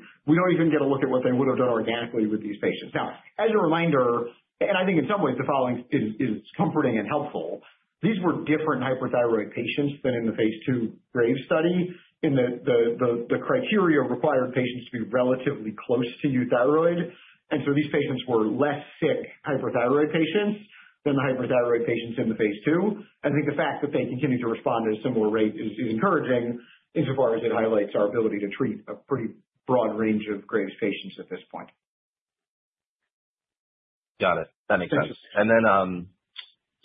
get a look at what they would have done organically with these patients. Now, as a reminder, and I think in some ways the following is comforting and helpful, these were different hyperthyroid patients than in the phase II Graves' study in that the criteria required patients to be relatively close to euthyroid. These patients were less sick hyperthyroid patients than the hyperthyroid patients in the phase II. I think the fact that they continue to respond at a similar rate is encouraging insofar as it highlights our ability to treat a pretty broad range of Graves' patients at this point. Got it. That makes sense. Thank you.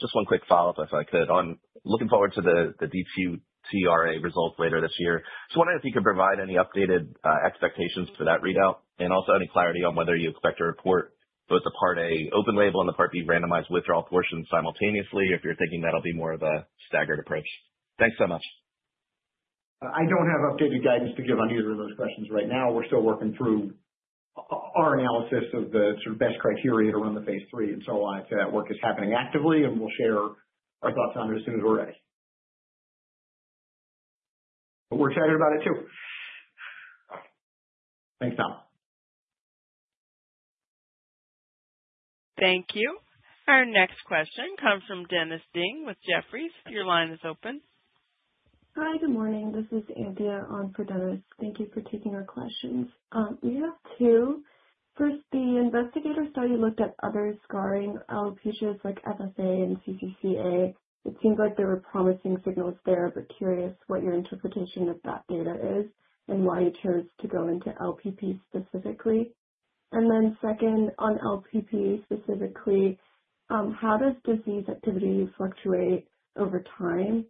Just one quick follow-up if I could. On looking forward to the TED data results later this year. Just wondering if you could provide any updated expectations for that readout and also any clarity on whether you expect to report both the part A open label and the part B randomized withdrawal portion simultaneously, if you're thinking that'll be more of a staggered approach. Thanks so much. I don't have updated guidance to give on either of those questions right now. We're still working through our analysis of the sort of best criteria to run the phase III. I'd say that work is happening actively, and we'll share our thoughts on it as soon as we're ready. We're excited about it too. Thanks, Tom. Thank you. Our next question comes from Dennis Ding with Jefferies. Your line is open. Hi. Good morning. This is Andia on for Dennis. Thank you for taking our questions. We have two. First, the investigator study looked at other scarring alopecias like FFA and CCCA. It seems like there were promising signals there, but curious what your interpretation of that data is and why you chose to go into LPP specifically. Second, on LPP specifically, how does disease activity fluctuate over time,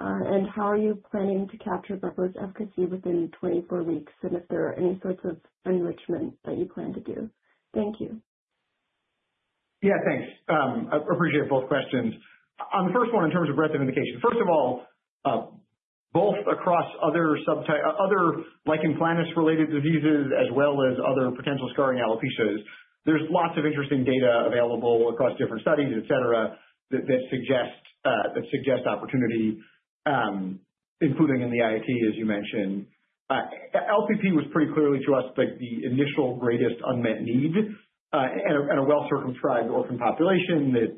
and how are you planning to capture brepocitinib's efficacy within 24 weeks and if there are any sorts of enrichment that you plan to do? Thank you. Yeah, thanks. I appreciate both questions. On the first one, in terms of breadth of indication, first of all, both across other lichen planus-related diseases as well as other potential scarring alopecias, there's lots of interesting data available across different studies, etc, that suggest opportunity, including in the IIT, as you mentioned. LPP was pretty clearly to us like the initial greatest unmet need, and a well-circumscribed orphan population that,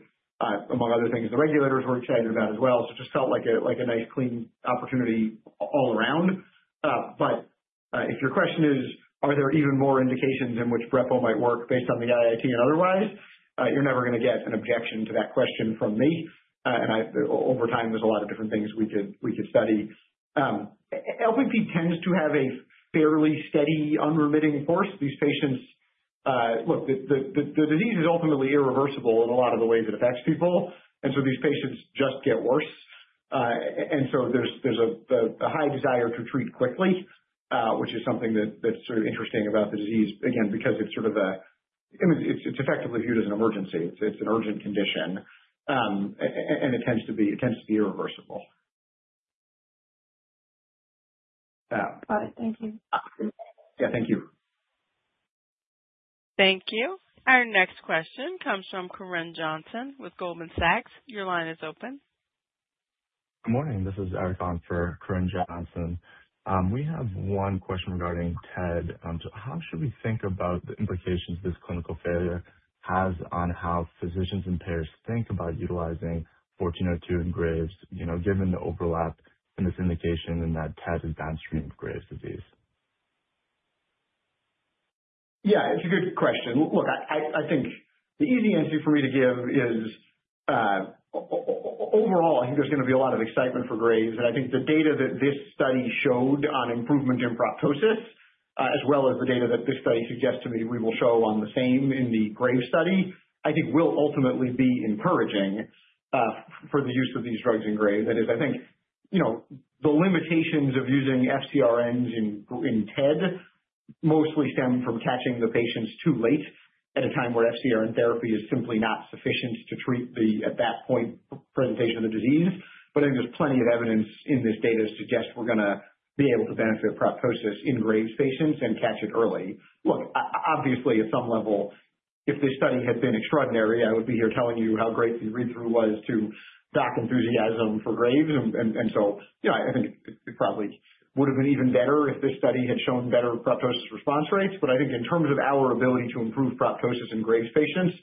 among other things, the regulators were excited about as well. It just felt like a nice, clean opportunity all around. If your question is, are there even more indications in which brepocitinib might work based on the IIT and otherwise, you're never gonna get an objection to that question from me. Over time, there's a lot of different things we could study. LPP tends to have a fairly steady, unremitting force. These patients, look, the disease is ultimately irreversible in a lot of the ways it affects people. These patients just get worse. There's a high desire to treat quickly, which is something that's sort of interesting about the disease. Again, because it's sort of an emergency. It's effectively viewed as an emergency. It's an urgent condition. It tends to be irreversible. Yeah. Got it. Thank you. Yeah, thank you. Thank you. Our next question comes from Corinne Johnson with Goldman Sachs. Your line is open. Good morning. This is Eric on for Corinne Johnson. We have one question regarding TED. How should we think about the implications this clinical failure has on how physicians and payers think about utilizing 1402 in Graves'? You know, given the overlap in this indication and that TED is downstream of Graves' disease. Yeah, it's a good question. Look, I think the easy answer for me to give is overall, I think there's gonna be a lot of excitement for Graves, and I think the data that this study showed on improvement in proptosis, as well as the data that this study suggests to me we will show on the same in the Graves study, I think will ultimately be encouraging for the use of these drugs in Graves. That is, I think, you know, the limitations of using FcRns in TED mostly stem from catching the patients too late at a time where FcRn therapy is simply not sufficient to treat the, at that point, presentation of the disease. I think there's plenty of evidence in this data to suggest we're gonna be able to benefit proptosis in Graves patients and catch it early. Look, obviously, at some level, if this study had been extraordinary, I would be here telling you how great the read-through was to dock enthusiasm for Graves. You know, I think it probably would have been even better if this study had shown better proptosis response rates. I think in terms of our ability to improve proptosis in Graves patients,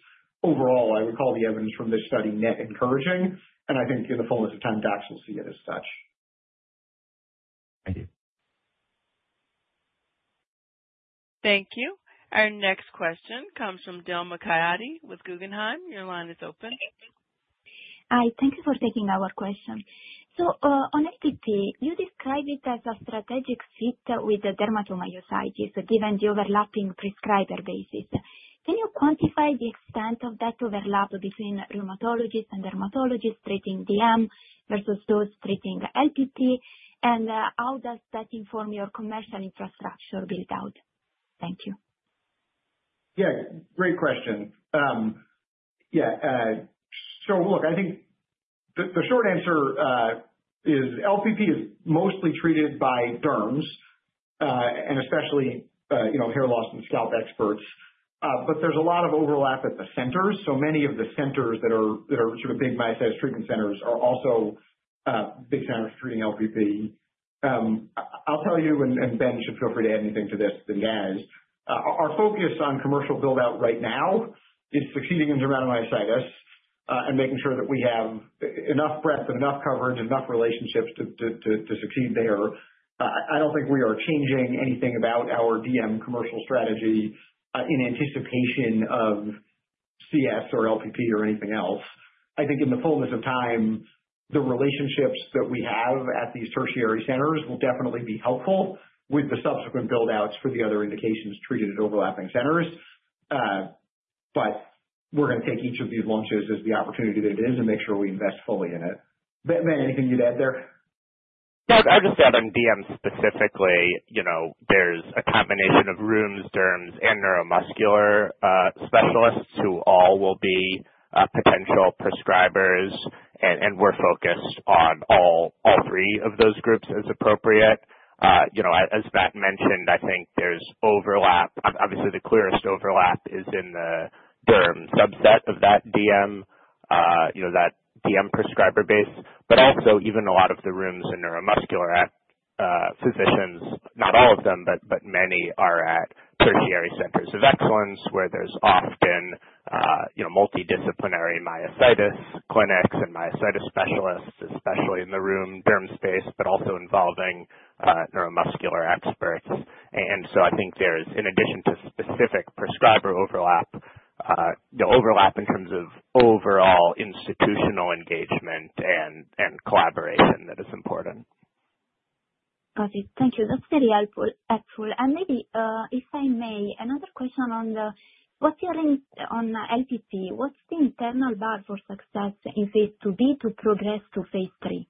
overall, I would call the evidence from this study net encouraging, and I think in the fullness of time, docs will see it as such. Thank you. Thank you. Our next question comes from Yatin Suneja with Guggenheim. Your line is open. Hi, thank you for taking our question. On LPP, you describe it as a strategic fit with the dermatomyositis, given the overlapping prescriber basis. Can you quantify the extent of that overlap between rheumatologists and dermatologists treating DM versus those treating LPP? How does that inform your commercial infrastructure build-out? Thank you. Yeah, great question. Look, I think the short answer is LPP is mostly treated by derms, and especially, you know, hair loss and scalp experts. There's a lot of overlap at the centers. Many of the centers that are sort of big myositis treatment centers are also big centers treating LPP. I'll tell you, and Ben should feel free to add anything to this, and adds. Our focus on commercial build-out right now is succeeding in Dermatomyositis, and making sure that we have enough breadth, enough coverage, enough relationships to succeed there. I don't think we are changing anything about our DM commercial strategy in anticipation of CS or LPP or anything else. I think in the fullness of time, the relationships that we have at these tertiary centers will definitely be helpful with the subsequent build-outs for the other indications treated at overlapping centers. We're gonna take each of these launches as the opportunity that it is and make sure we invest fully in it. Ben, anything you'd add there? No, I'd just add on DM specifically, you know, there's a combination of rheums-derms, and neuromuscular specialists who all will be potential prescribers. We're focused on all three of those groups as appropriate. You know, as Matt mentioned, I think there's overlap. Obviously, the clearest overlap is in the derm subset of that DM, you know, that DM prescriber base. Also even a lot of the rheums and neuromuscular physicians, not all of them, but many are at tertiary centers of excellence, where there's often, you know, multidisciplinary myositis clinics and myositis specialists, especially in the rheum-derm space, but also involving neuromuscular experts. I think there's, in addition to specific prescriber overlap, the overlap in terms of overall institutional engagement and collaboration that is important. Got it. Thank you. That's very helpful. Maybe, if I may, another question, what's your take on LPP? What's the internal bar for success in phase IIb to progress to phase III?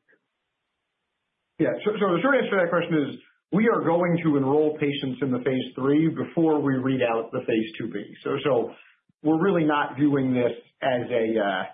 Yeah, the short answer to that question is we are going to enroll patients in the phase III before we read out the phase IIb. We're really not doing this as a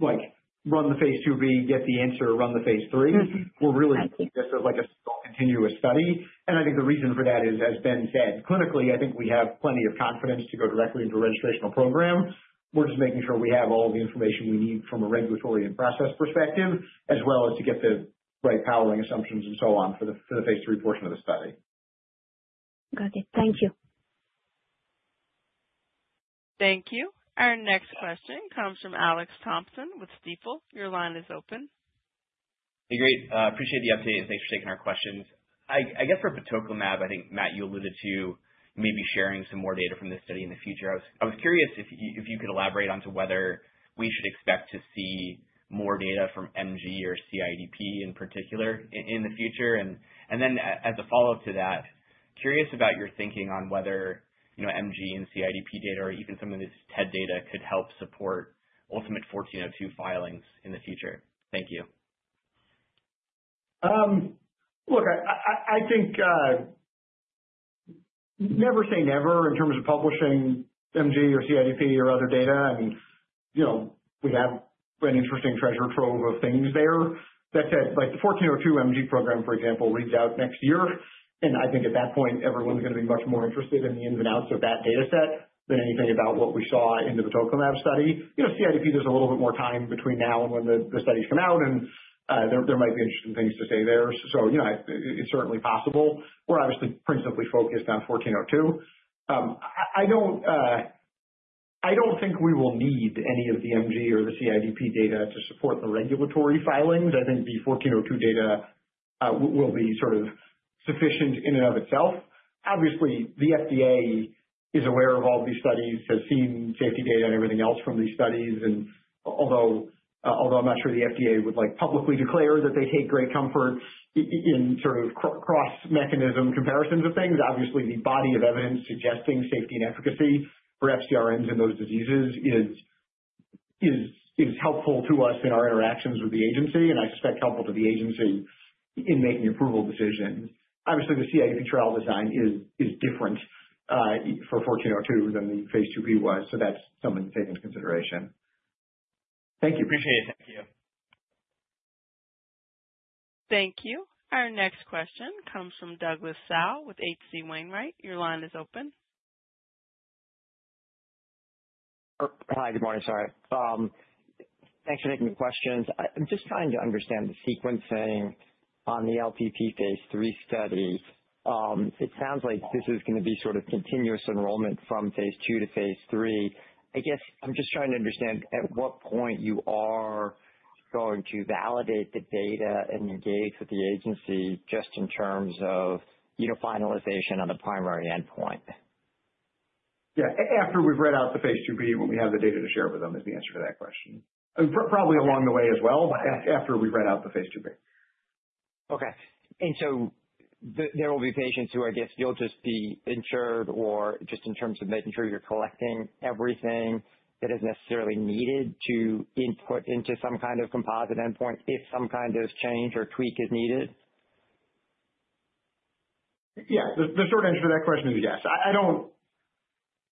like run the phase IIb, get the answer, run the phase III. We're really thinking this as like a small continuous study. I think the reason for that is, as Ben said, clinically, I think we have plenty of confidence to go directly into a registrational program. We're just making sure we have all the information we need from a regulatory and process perspective, as well as to get the right powering assumptions and so on for the phase III portion of the study. Got it. Thank you. Thank you. Our next question comes from Alex Thompson with Stifel. Your line is open. Hey, great. Appreciate the update and thanks for taking our questions. I guess for batoclimab, I think, Matt, you alluded to maybe sharing some more data from this study in the future. I was curious if you could elaborate on whether we should expect to see more data from MG or CIDP in particular in the future. As a follow-up to that, I'm curious about your thinking on whether, you know, MG and CIDP data or even some of this TED data could help support IMVT-1402 filings in the future. Thank you. Look, I think never say never in terms of publishing MG or CIDP or other data. I mean, you know, we have an interesting treasure trove of things there. That said, like, the 1402 MG program, for example, reads out next year, and I think at that point, everyone's gonna be much more interested in the ins and outs of that data set than anything about what we saw in the tocilizumab study. You know, CIDP, there's a little bit more time between now and when the studies come out and there might be interesting things to say there. You know, it's certainly possible. We're obviously principally focused on 1402. I don't think we will need any of the MG or the CIDP data to support the regulatory filings. I think the 1402 data will be sort of sufficient in and of itself. Obviously, the FDA is aware of all of these studies, has seen safety data and everything else from these studies. Although I'm not sure the FDA would, like, publicly declare that they take great comfort in sort of cross mechanism comparisons of things, obviously the body of evidence suggesting safety and efficacy for FcRns in those diseases is helpful to us in our interactions with the agency and I expect helpful to the agency in making approval decisions. Obviously, the CIDP trial design is different for 1402 than the phase IIb was, so that's something to take into consideration. Thank you. Appreciate it. Thank you. Thank you. Our next question comes from Douglas Tsao with H.C. Wainwright. Your line is open. Hi. Good morning. Sorry. Thanks for taking the questions. I'm just trying to understand the sequencing on the LPP phase III study. It sounds like this is gonna be sort of continuous enrollment from phase II to phase III. I guess I'm just trying to understand at what point you are going to validate the data and engage with the agency just in terms of, you know, finalization on the primary endpoint. Yeah. After we've read out the phase IIb, when we have the data to share with them, is the answer to that question. Probably along the way as well, but after we've read out the phase IIb. Okay. There will be patients who, I guess, you'll just be ensured or just in terms of making sure you're collecting everything that is necessarily needed to input into some kind of composite endpoint if some kind of change or tweak is needed? Yeah. The short answer to that question is yes.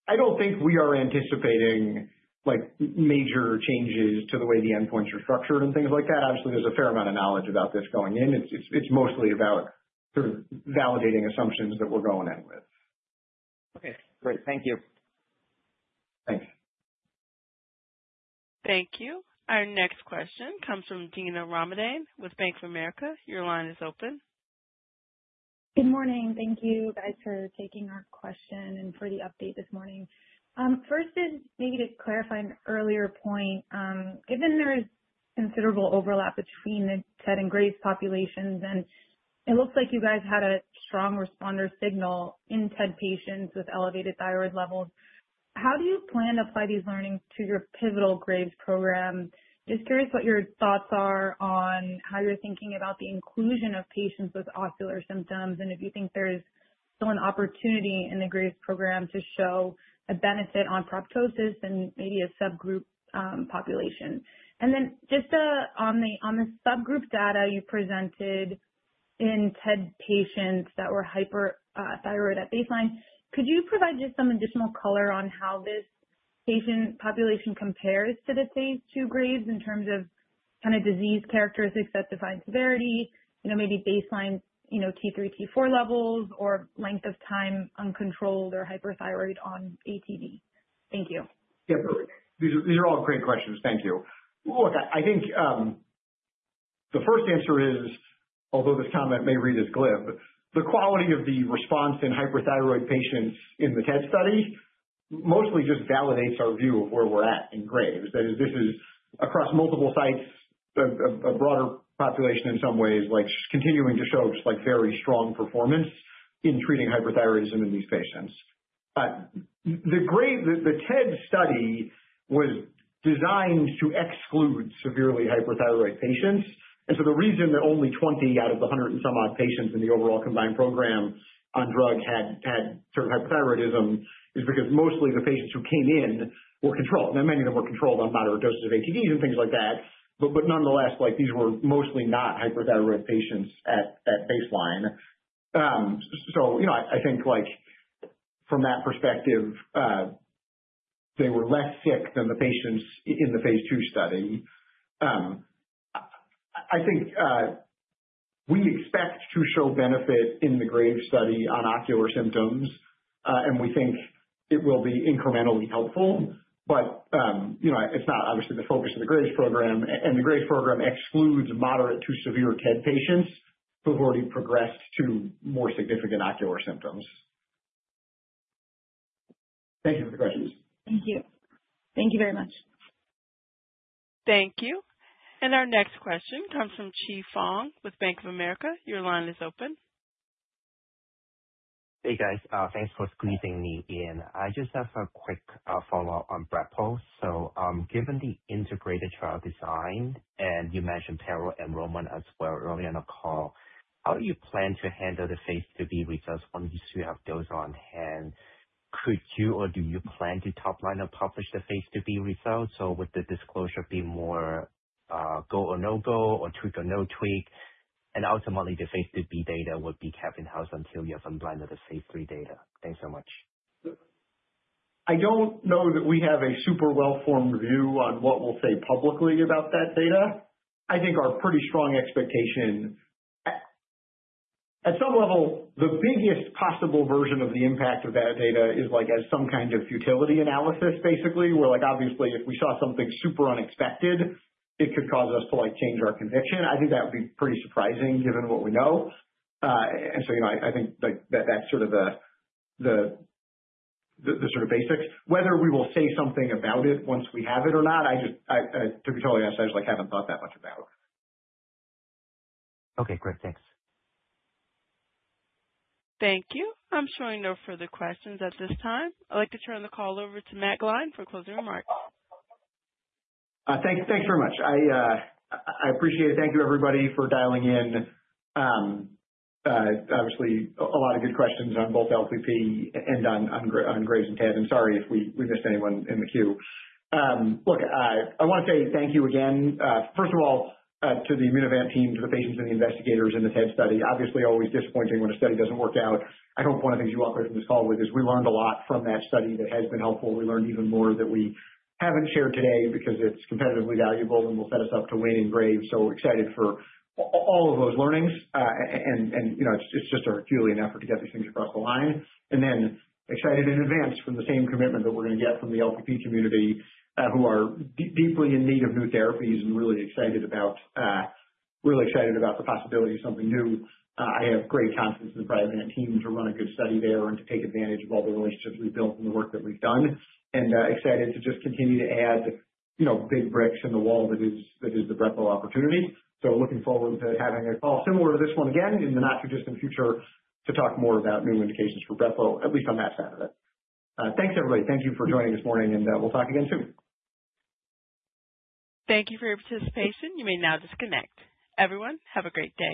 I don't think we are anticipating, like, major changes to the way the endpoints are structured and things like that. Obviously, there's a fair amount of knowledge about this going in. It's mostly about sort of validating assumptions that we're going in with. Okay, great. Thank you. Thanks. Thank you. Our next question comes from Dina Ramadane with Bank of America. Your line is open. Good morning. Thank you guys for taking our question and for the update this morning. First is maybe to clarify an earlier point. Given there is considerable overlap between the TED and Graves' populations, and it looks like you guys had a strong responder signal in TED patients with elevated thyroid levels, how do you plan to apply these learnings to your pivotal Graves' program? Just curious what your thoughts are on how you're thinking about the inclusion of patients with ocular symptoms and if you think there's still an opportunity in the Graves' program to show a benefit on proptosis and maybe a subgroup population. On the subgroup data you presented in TED patients that were hyperthyroid at baseline, could you provide just some additional color on how this patient population compares to the phase II Graves in terms of kind of disease characteristics that define severity, you know, maybe baseline, you know, T3, T4 levels or length of time uncontrolled or hyperthyroid on ATD? Thank you. These are all great questions. Thank you. Look, I think the first answer is, although this comment may read as glib, the quality of the response in hyperthyroid patients in the TED study mostly just validates our view of where we're at in Graves. That is, this is across multiple sites, a broader population in some ways, like, continuing to show just, like, very strong performance in treating hyperthyroidism in these patients. The TED study was designed to exclude severely hyperthyroid patients. So the reason that only 20 out of the 100 and some odd patients in the overall combined program on drug had sort of hyperthyroidism is because mostly the patients who came in were controlled. Now, many of them were controlled on moderate doses of ATDs and things like that, but nonetheless, like, these were mostly not hyperthyroid patients at baseline. So, you know, I think, like, from that perspective, they were less sick than the patients in the phase II study. I think we expect to show benefit in the Graves' study on ocular symptoms, and we think it will be incrementally helpful. You know, it's not obviously the focus of the Graves' program. The Graves' program excludes moderate to severe TED patients who have already progressed to more significant ocular symptoms. Thank you for the questions. Thank you. Thank you very much. Thank you. Our next question comes from Qi Fang with Bank of America. Your line is open. Hey, guys. Thanks for squeezing me in. I just have a quick follow-up on brepocitinib. Given the integrated trial design, and you mentioned parallel enrollment as well early in the call, how do you plan to handle the phase IIb results once you have those on hand? Could you, or do you plan to top-line and publish the phase IIb results, or would the disclosure be more go or no go or tweak or no tweak, and ultimately the phase IIb data would be kept in-house until you have unblinded the phase III data? Thanks so much. I don't know that we have a super well-formed view on what we'll say publicly about that data. I think our pretty strong expectation. At some level, the biggest possible version of the impact of that data is, like, as some kind of futility analysis, basically, where, like, obviously if we saw something super unexpected, it could cause us to, like, change our conviction. I think that would be pretty surprising given what we know. And so, you know, I think, like, that that's sort of the sort of basics. Whether we will say something about it once we have it or not, I just to be totally honest, I just, like, haven't thought that much about it. Okay, great. Thanks. Thank you. I'm showing no further questions at this time. I'd like to turn the call over to Matt Gline for closing remarks. Thanks very much. I appreciate it. Thank you, everybody, for dialing in. Obviously a lot of good questions on both LPP and on Graves and TED. I'm sorry if we missed anyone in the queue. Look, I want to say thank you again, first of all, to the Immunovant team, to the patients and the investigators in the TED study. Obviously, always disappointing when a study doesn't work out. I hope one of the things you walk away from this call with is we learned a lot from that study that has been helpful. We learned even more that we haven't shared today because it's competitively valuable and will set us up to win in Graves. Excited for all of those learnings. You know, it's just our fueling effort to get these things across the line. Then excited in advance from the same commitment that we're gonna get from the LPP community, who are deeply in need of new therapies and really excited about the possibility of something new. I have great confidence in the Priovant team to run a good study there and to take advantage of all the relationships we've built and the work that we've done. Excited to just continue to add, you know, big bricks in the wall that is the brepocitinib opportunity. Looking forward to having a call similar to this one again in the not too distant future to talk more about new indications for brepocitinib, at least on that side of it. Thanks, everybody. Thank you for joining this morning, and we'll talk again soon. Thank you for your participation. You may now disconnect. Everyone, have a great day.